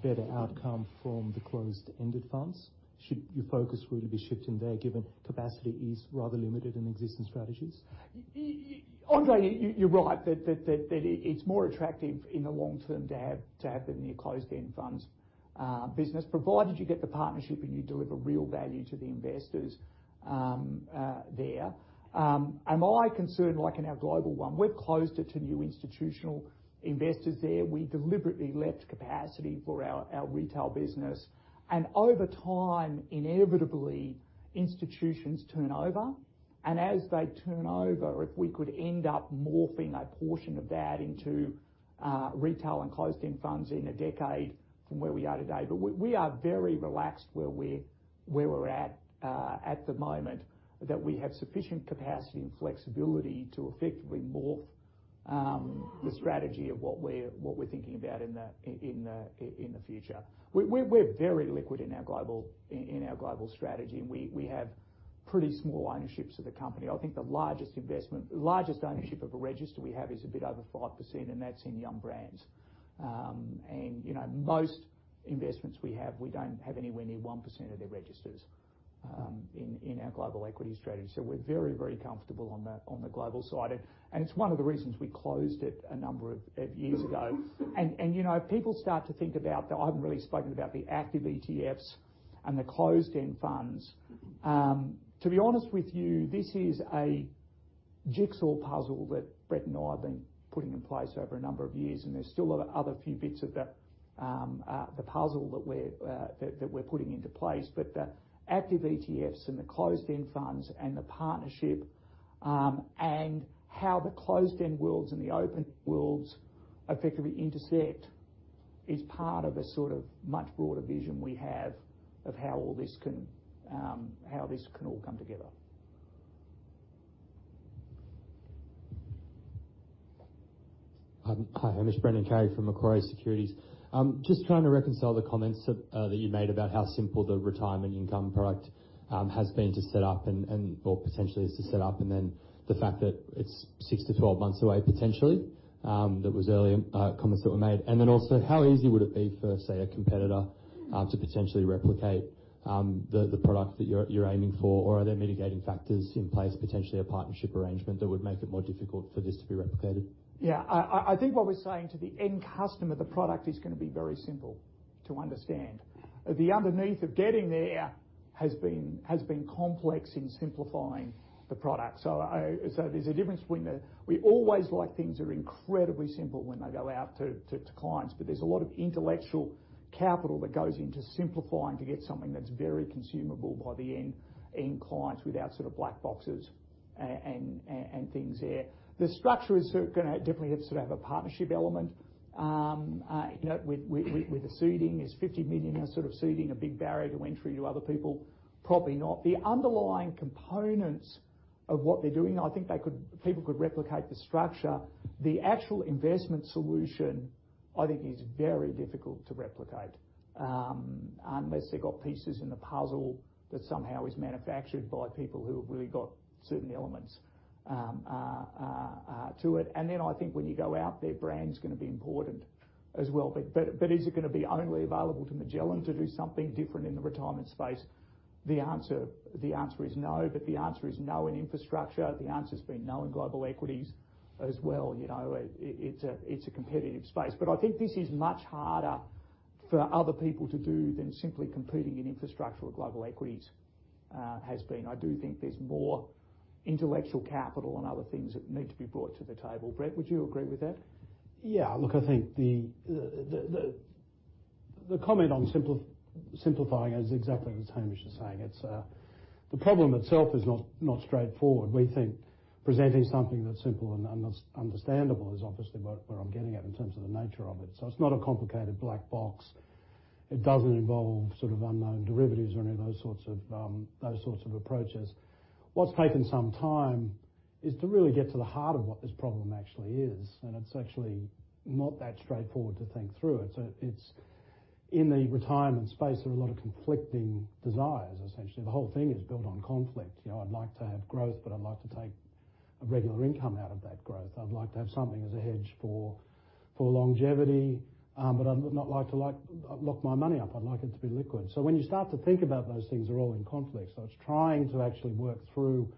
better outcome from the closed-ended funds? Should your focus really be shifting there, given capacity is rather limited in existing strategies? Andre, you're right that it's more attractive in the long term to have the new closed-end funds business, provided you get the partnership and you deliver real value to the investors there. Am I concerned, like in our global one? We've closed it to new institutional investors there. We deliberately left capacity for our retail business. Over time, inevitably, institutions turn over. As they turn over, if we could end up morphing a portion of that into retail and closed-end funds in a decade from where we are today. We are very relaxed where we're at at the moment, that we have sufficient capacity and flexibility to effectively morph the strategy of what we're thinking about in the future. We're very liquid in our global strategy, and we have pretty small ownerships of the company. I think the largest ownership of a register we have is a bit over 5%, and that's in Yum! Brands. Most investments we have, we don't have anywhere near 1% of their registers in our global equity strategy. We're very comfortable on the global side. It's one of the reasons we closed it a number of years ago. If people start to think about that I haven't really spoken about the active ETFs and the closed-end funds. To be honest with you, this is a jigsaw puzzle that Brett and I have been putting in place over a number of years, and there's still other few bits of the puzzle that we're putting into place. The active ETFs and the closed-end funds and the partnership, and how the closed-end worlds and the open worlds effectively intersect is part of a sort of much broader vision we have of how this can all come together. Hi, Hamish. Brendan Carrig from Macquarie Securities. Just trying to reconcile the comments that you made about how simple the retirement income product has been to set up or potentially is to set up. The fact that it's 6 to 12 months away, potentially, that was earlier comments that were made. How easy would it be for, say, a competitor to potentially replicate the product that you're aiming for? Are there mitigating factors in place, potentially a partnership arrangement that would make it more difficult for this to be replicated? I think what we're saying to the end customer, the product is going to be very simple to understand. The underneath of getting there has been complex in simplifying the product. There's a difference between, we always like things that are incredibly simple when they go out to clients, but there's a lot of intellectual capital that goes into simplifying to get something that's very consumable by the end clients without sort of black boxes and things there. The structure is going to definitely have a partnership element. With the seeding, is 50 million a sort of seeding, a big barrier to entry to other people? Probably not. The underlying components of what they're doing, I think people could replicate the structure. The actual investment solution, I think is very difficult to replicate, unless they've got pieces in the puzzle that somehow is manufactured by people who have really got certain elements to it. I think when you go out there, brand's going to be important as well. Is it going to be only available to Magellan to do something different in the retirement space? The answer is no. The answer is no in infrastructure. The answer's been no in Global Equities as well. It's a competitive space. I think this is much harder for other people to do than simply competing in infrastructure or global equities. Has been. I do think there's more intellectual capital and other things that need to be brought to the table. Brett, would you agree with that? I think the comment on simplifying is exactly as Hamish is saying. The problem itself is not straightforward. We think presenting something that's simple and understandable is obviously where I'm getting at in terms of the nature of it. It's not a complicated black box. It doesn't involve unknown derivatives or any of those sorts of approaches. What's taken some time is to really get to the heart of what this problem actually is, and it's actually not that straightforward to think through it. In the retirement space, there are a lot of conflicting desires. Essentially, the whole thing is built on conflict. I'd like to have growth, but I'd like to take a regular income out of that growth. I'd like to have something as a hedge for longevity, but I'd not like to lock my money up. I'd like it to be liquid. When you start to think about those things, they're all in conflict. It's trying to actually work through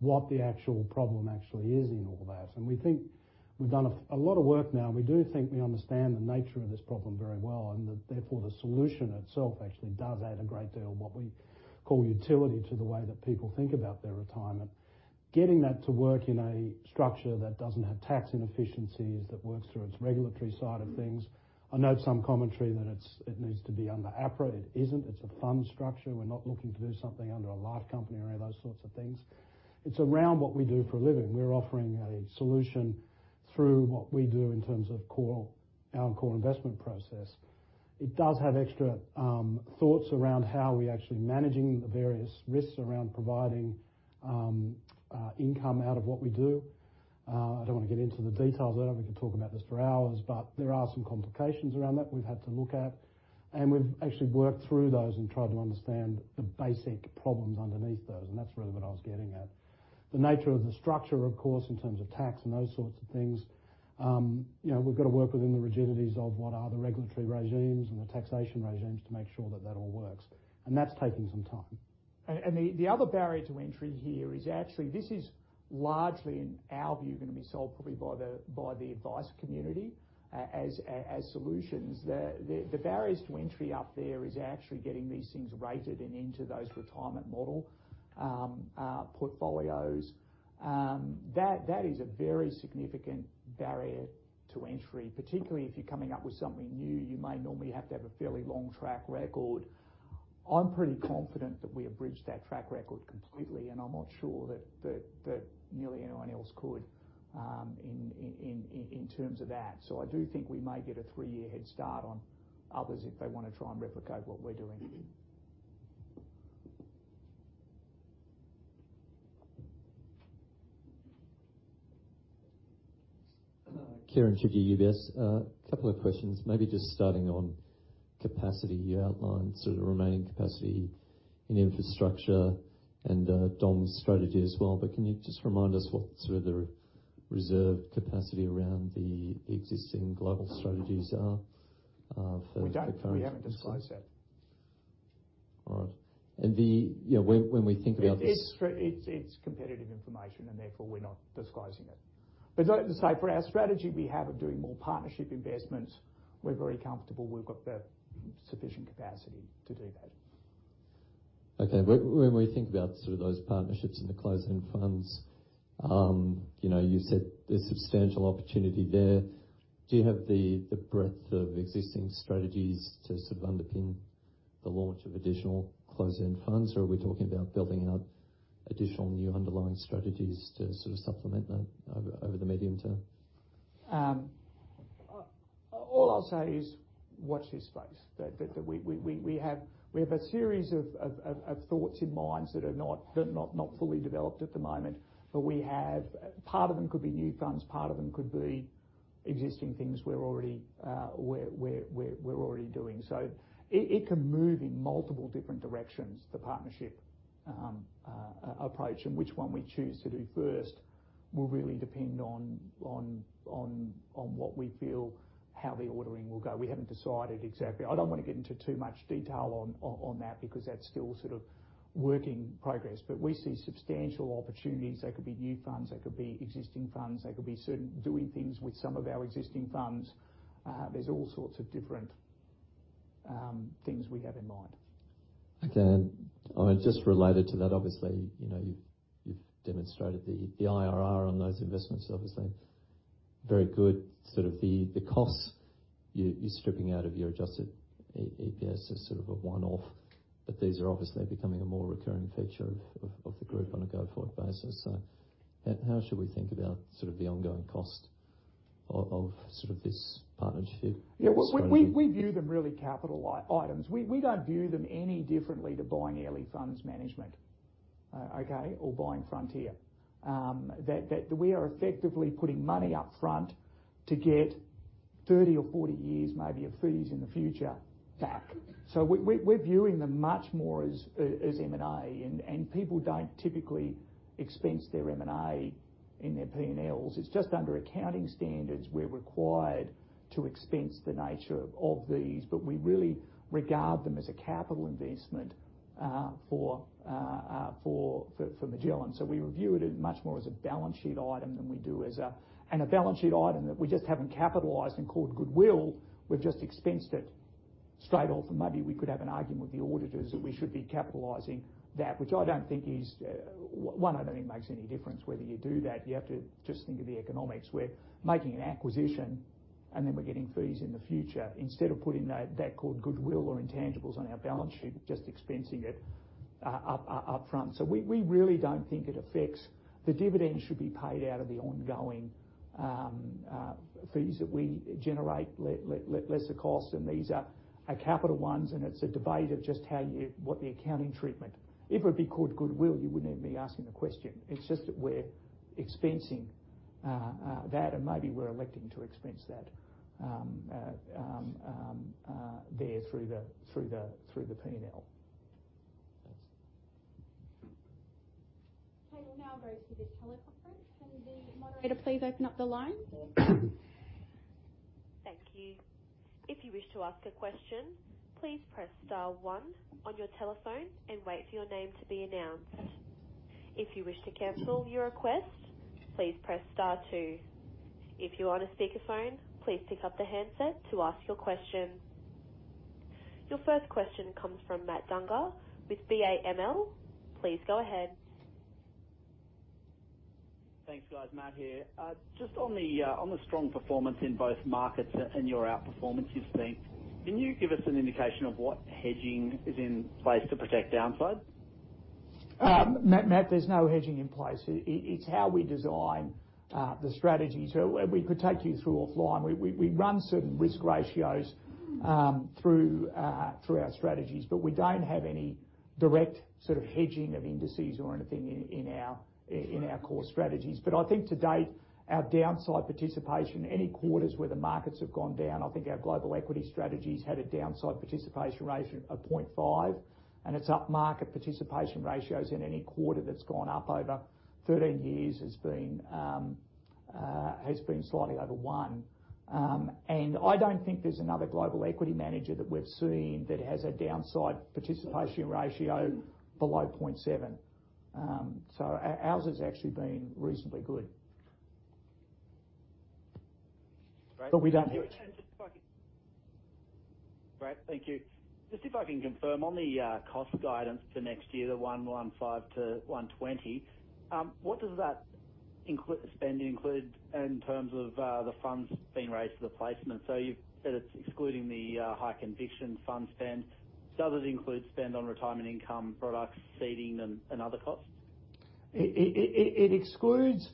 what the actual problem actually is in all that. We've done a lot of work now, and we do think we understand the nature of this problem very well, and that therefore the solution itself actually does add a great deal of what we call utility to the way that people think about their retirement. Getting that to work in a structure that doesn't have tax inefficiencies, that works through its regulatory side of things. I note some commentary that it needs to be under APRA. It isn't. It's a fund structure. We're not looking to do something under a life company or any of those sorts of things. It's around what we do for a living. We're offering a solution through what we do in terms of our core investment process. It does have extra thoughts around how we're actually managing the various risks around providing income out of what we do. I don't want to get into the details of it. I could talk about this for hours, but there are some complications around that we've had to look at, and we've actually worked through those and tried to understand the basic problems underneath those, and that's really what I was getting at. The nature of the structure, of course, in terms of tax and those sorts of things. We've got to work within the rigidities of what are the regulatory regimes and the taxation regimes to make sure that that all works, and that's taking some time. The other barrier to entry here is actually, this is largely, in our view, going to be sold probably by the advice community as solutions. The barriers to entry out there is actually getting these things rated and into those retirement model portfolios. That is a very significant barrier to entry, particularly if you're coming up with something new, you may normally have to have a fairly long track record. I'm pretty confident that we have bridged that track record completely, and I'm not sure that nearly anyone else could in terms of that. I do think we may get a three-year head start on others if they want to try and replicate what we're doing. Kieren Chidgey, UBS. A couple of questions, maybe just starting on capacity. You outlined sort of the remaining capacity in infrastructure and Dom's strategy as well, but can you just remind us what sort of the reserve capacity around the existing global strategies are for the current-? We don't. We haven't disclosed that. All right. It's competitive information, and therefore we're not disclosing it. As I say, for our strategy we have of doing more partnership investments, we're very comfortable we've got the sufficient capacity to do that. Okay. When we think about sort of those partnerships and the closed-end funds, you said there is substantial opportunity there. Do you have the breadth of existing strategies to sort of underpin the launch of additional closed-end funds, or are we talking about building out additional new underlying strategies to sort of supplement that over the medium term? All I'll say is watch this space. We have a series of thoughts in minds that are not fully developed at the moment, part of them could be new funds, part of them could be existing things we're already doing. It can move in multiple different directions, the partnership approach, which one we choose to do first will really depend on what we feel, how the ordering will go. We haven't decided exactly. I don't want to get into too much detail on that because that's still sort of work in progress, we see substantial opportunities. They could be new funds, they could be existing funds, they could be doing things with some of our existing funds. There's all sorts of different things we have in mind. Okay. Just related to that, obviously, you've demonstrated the IRR on those investments, obviously very good. Sort of the costs you're stripping out of your adjusted EPS is sort of a one-off, but these are obviously becoming a more recurring feature of the group on a go-forward basis. How should we think about sort of the ongoing cost of this partnership strategy? Yeah. We view them really capital items. We don't view them any differently to buying Airlie Funds Management, okay? Buying Frontier. We are effectively putting money up front to get 30 years or 40 years, maybe a fees in the future back. We're viewing them much more as M&A, and people don't typically expense their M&A in their P&Ls. It's just under accounting standards, we're required to expense the nature of these, but we really regard them as a capital investment for Magellan. We review it much more as a balance sheet item than we do as a balance sheet item that we just haven't capitalized and called goodwill, we've just expensed it straight off, and maybe we could have an argument with the auditors that we should be capitalizing that, which one, I don't think makes any difference whether you do that. You have to just think of the economics. We're making an acquisition, and then we're getting fees in the future instead of putting that called goodwill or intangibles on our balance sheet, just expensing it up front. We really don't think it affects. The dividends should be paid out of the ongoing fees that we generate, less the cost. These are capital ones, and it's a debate of just what the accounting treatment. If it would be called goodwill, you wouldn't even be asking the question. It's just that we're expensing that, and maybe we're electing to expense that there through the P&L. Thanks. Okay, we'll now go to the teleconference. Can the moderator please open up the line? Thank you. If you wish to ask a question, please press star one on your telephone and wait for your name to be announced. If you wish to cancel your request, please press star two. If you're on a speakerphone, please pick up the handset to ask your question. Your first question comes from Matt Dunger with BAML. Please go ahead. Thanks, guys. Matt here. Just on the strong performance in both markets and your out-performance you've seen, can you give us an indication of what hedging is in place to protect downside? Matt, there's no hedging in place. It is how we design the strategy. We could take you through offline. We run certain risk ratios through our strategies, but we don't have any direct sort of hedging of indices or anything in our core strategies. I think to date, our downside participation, any quarters where the markets have gone down, I think our global equity strategy's had a downside participation ratio of 0.5, and its up market participation ratios in any quarter that's gone up over 13 years has been slightly over one. I don't think there's another global equity manager that we've seen that has a downside participation ratio below 0.7. Ours has actually been reasonably good. We don't- Great. Thank you. Just see if I can confirm on the cost guidance for next year, the 115 million-120 million? What does that spend include in terms of the funds being raised for the placement? You've said it's excluding the High Conviction Fund spend. Does it include spend on retirement income products, seeding them, and other costs? It excludes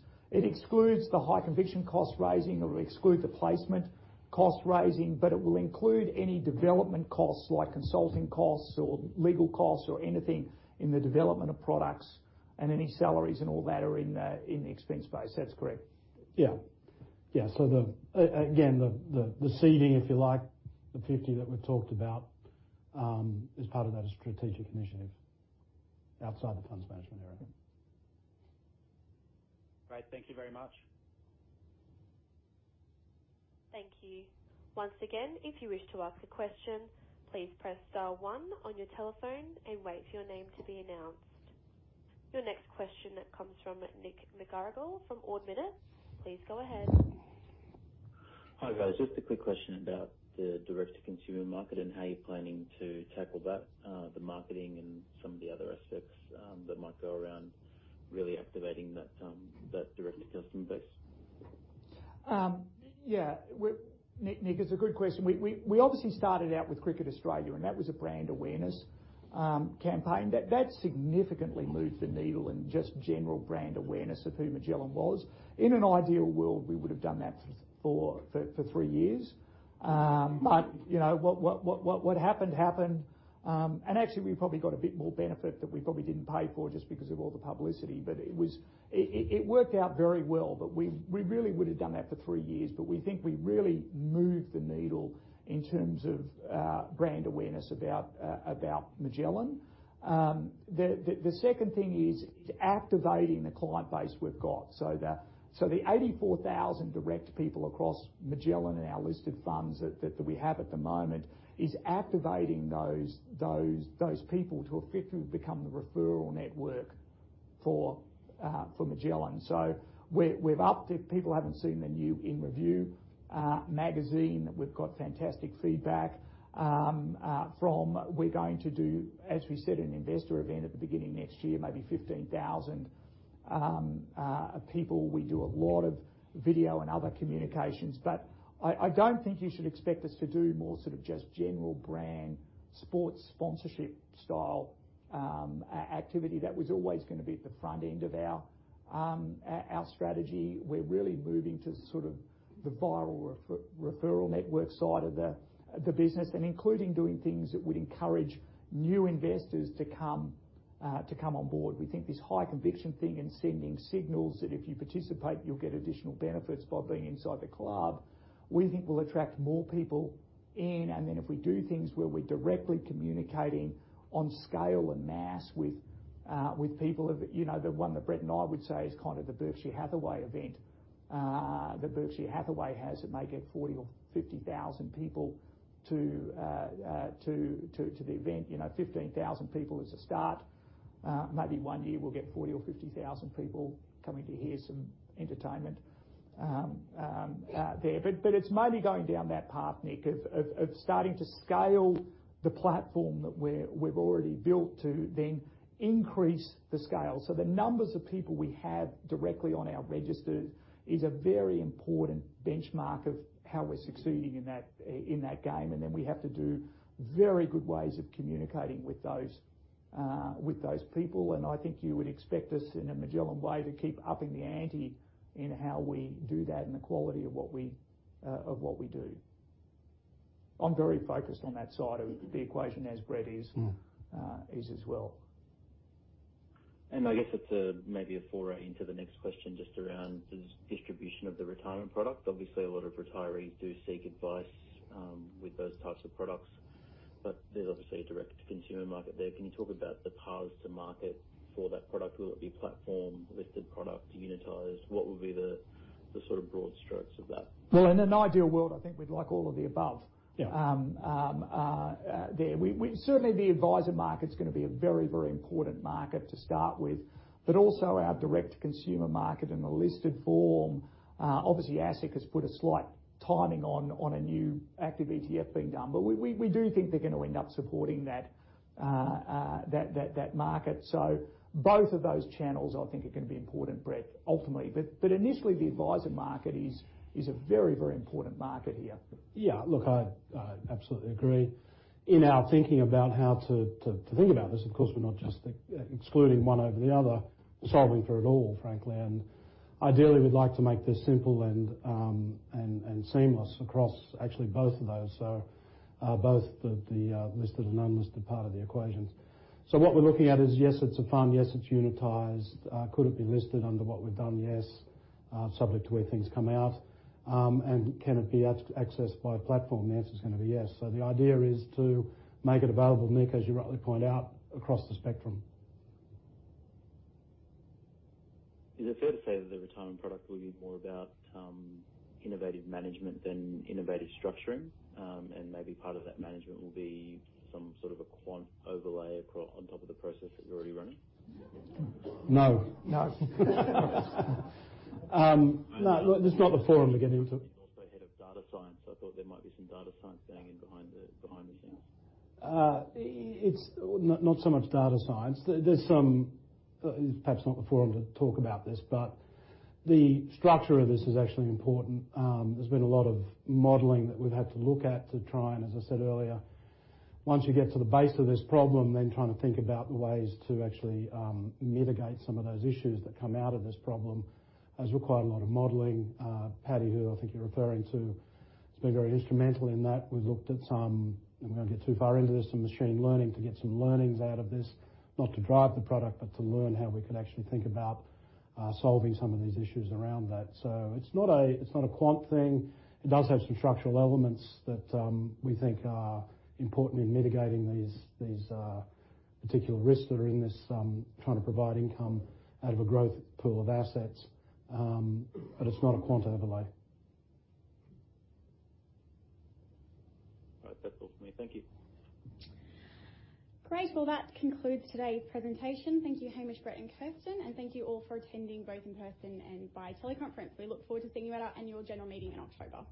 the high conviction cost raising, or excludes the placement cost raising, but it will include any development costs, like consulting costs or legal costs or anything in the development of products, and any salaries and all that are in the expense base. That's correct. Yeah. Again, the seeding, if you like, the 50 million that we've talked about, is part of that strategic initiative outside the funds management area. Great. Thank you very much. Thank you. Once again, if you wish to ask a question, please press star one on your telephone and wait for your name to be announced. Your next question comes from Nick McGarrigle from Ord Minnett. Please go ahead. Hi, guys. Just a quick question about the direct-to-consumer market and how you're planning to tackle that, the marketing and some of the other aspects that might go around really activating that direct-to-customer base? Yeah. Nick, it's a good question. We obviously started out with Cricket Australia, and that was a brand awareness campaign. That significantly moved the needle in just general brand awareness of who Magellan was. In an ideal world, we would've done that for three years. What happened happened, and actually, we probably got a bit more benefit that we probably didn't pay for just because of all the publicity. It worked out very well, but we really would've done that for three years. We think we really moved the needle in terms of brand awareness about Magellan. The second thing is activating the client base we've got. The 84,000 direct people across Magellan and our listed funds that we have at the moment, is activating those people to effectively become the referral network for Magellan. We've upped it. People haven't seen the new In Review magazine. We've got fantastic feedback. We're going to do, as we said, an investor event at the beginning of next year, maybe 15,000 people. We do a lot of video and other communications. I don't think you should expect us to do more sort of just general brand sports sponsorship style activity. That was always going to be at the front end of our strategy. We're really moving to sort of the viral referral network side of the business, and including doing things that would encourage new investors to come on board. We think this high conviction thing and sending signals that if you participate, you'll get additional benefits by being inside the club, we think will attract more people in. If we do things where we're directly communicating on scale and mass with people of, you know the one that Brett and I would say is kind of the Berkshire Hathaway event that Berkshire Hathaway has that may get 40,000 or 50,000 people to the event. 15,000 people is a start. Maybe one year we'll get 40,000 or 50,000 people coming to hear some entertainment there. It's mainly going down that path, Nick, of starting to scale the platform that we've already built to then increase the scale. The numbers of people we have directly on our register is a very important benchmark of how we're succeeding in that game. We have to do very good ways of communicating with those people. I think you would expect us, in a Magellan way, to keep upping the ante in how we do that and the quality of what we do. I'm very focused on that side of the equation, as Brett is as well. I guess it's maybe a foray into the next question just around the distribution of the retirement product. Obviously, a lot of retirees do seek advice with those types of products, but there's obviously a direct consumer market there. Can you talk about the paths to market for that product? Will it be platform, listed product, unitized? What would be the sort of broad strokes of that? Well, in an ideal world, I think we'd like all of the above. Yeah. The advisor market's going to be a very important market to start with, but also our direct consumer market in the listed form. ASIC has put a slight timing on a new active ETF being done, but we do think they're going to end up supporting that market. Both of those channels I think are going to be important, Brett, ultimately. Initially, the advisor market is a very important market here. Look, I absolutely agree. In our thinking about how to think about this, of course, we're not just excluding one over the other, we're solving for it all, frankly. Ideally, we'd like to make this simple and seamless across actually both of those, so both the listed and unlisted part of the equation. What we're looking at is, yes, it's a fund, yes, it's unitized. Could it be listed under what we've done? Yes, subject to where things come out. Can it be accessed by platform? The answer's going to be yes. The idea is to make it available, Nick, as you rightly point out, across the spectrum. Is it fair to say that the retirement product will be more about innovative management than innovative structuring? Maybe part of that management will be some sort of a quant overlay on top of the process that you're already running? No. No. No, this is not the forum, again. You're also head of data science, so I thought there might be some data science going in behind the scenes. It's not so much data science. There's some, perhaps not the forum to talk about this, but the structure of this is actually important. There's been a lot of modeling that we've had to look at to try and, as I said earlier, once you get to the base of this problem, then trying to think about the ways to actually mitigate some of those issues that come out of this problem has required a lot of modeling. Paddy, who I think you're referring to, has been very instrumental in that. We've looked at some, I'm going to get too far into this, some machine learning to get some learnings out of this, not to drive the product, but to learn how we could actually think about solving some of these issues around that. It's not a quant thing. It does have some structural elements that we think are important in mitigating these particular risks that are in this, trying to provide income out of a growth pool of assets. It's not a quant overlay. All right. That's all from me. Thank you. Great. That concludes today's presentation. Thank you Hamish, Brett and Kirsten, and thank you all for attending both in person and via teleconference. We look forward to seeing you at our annual general meeting in October.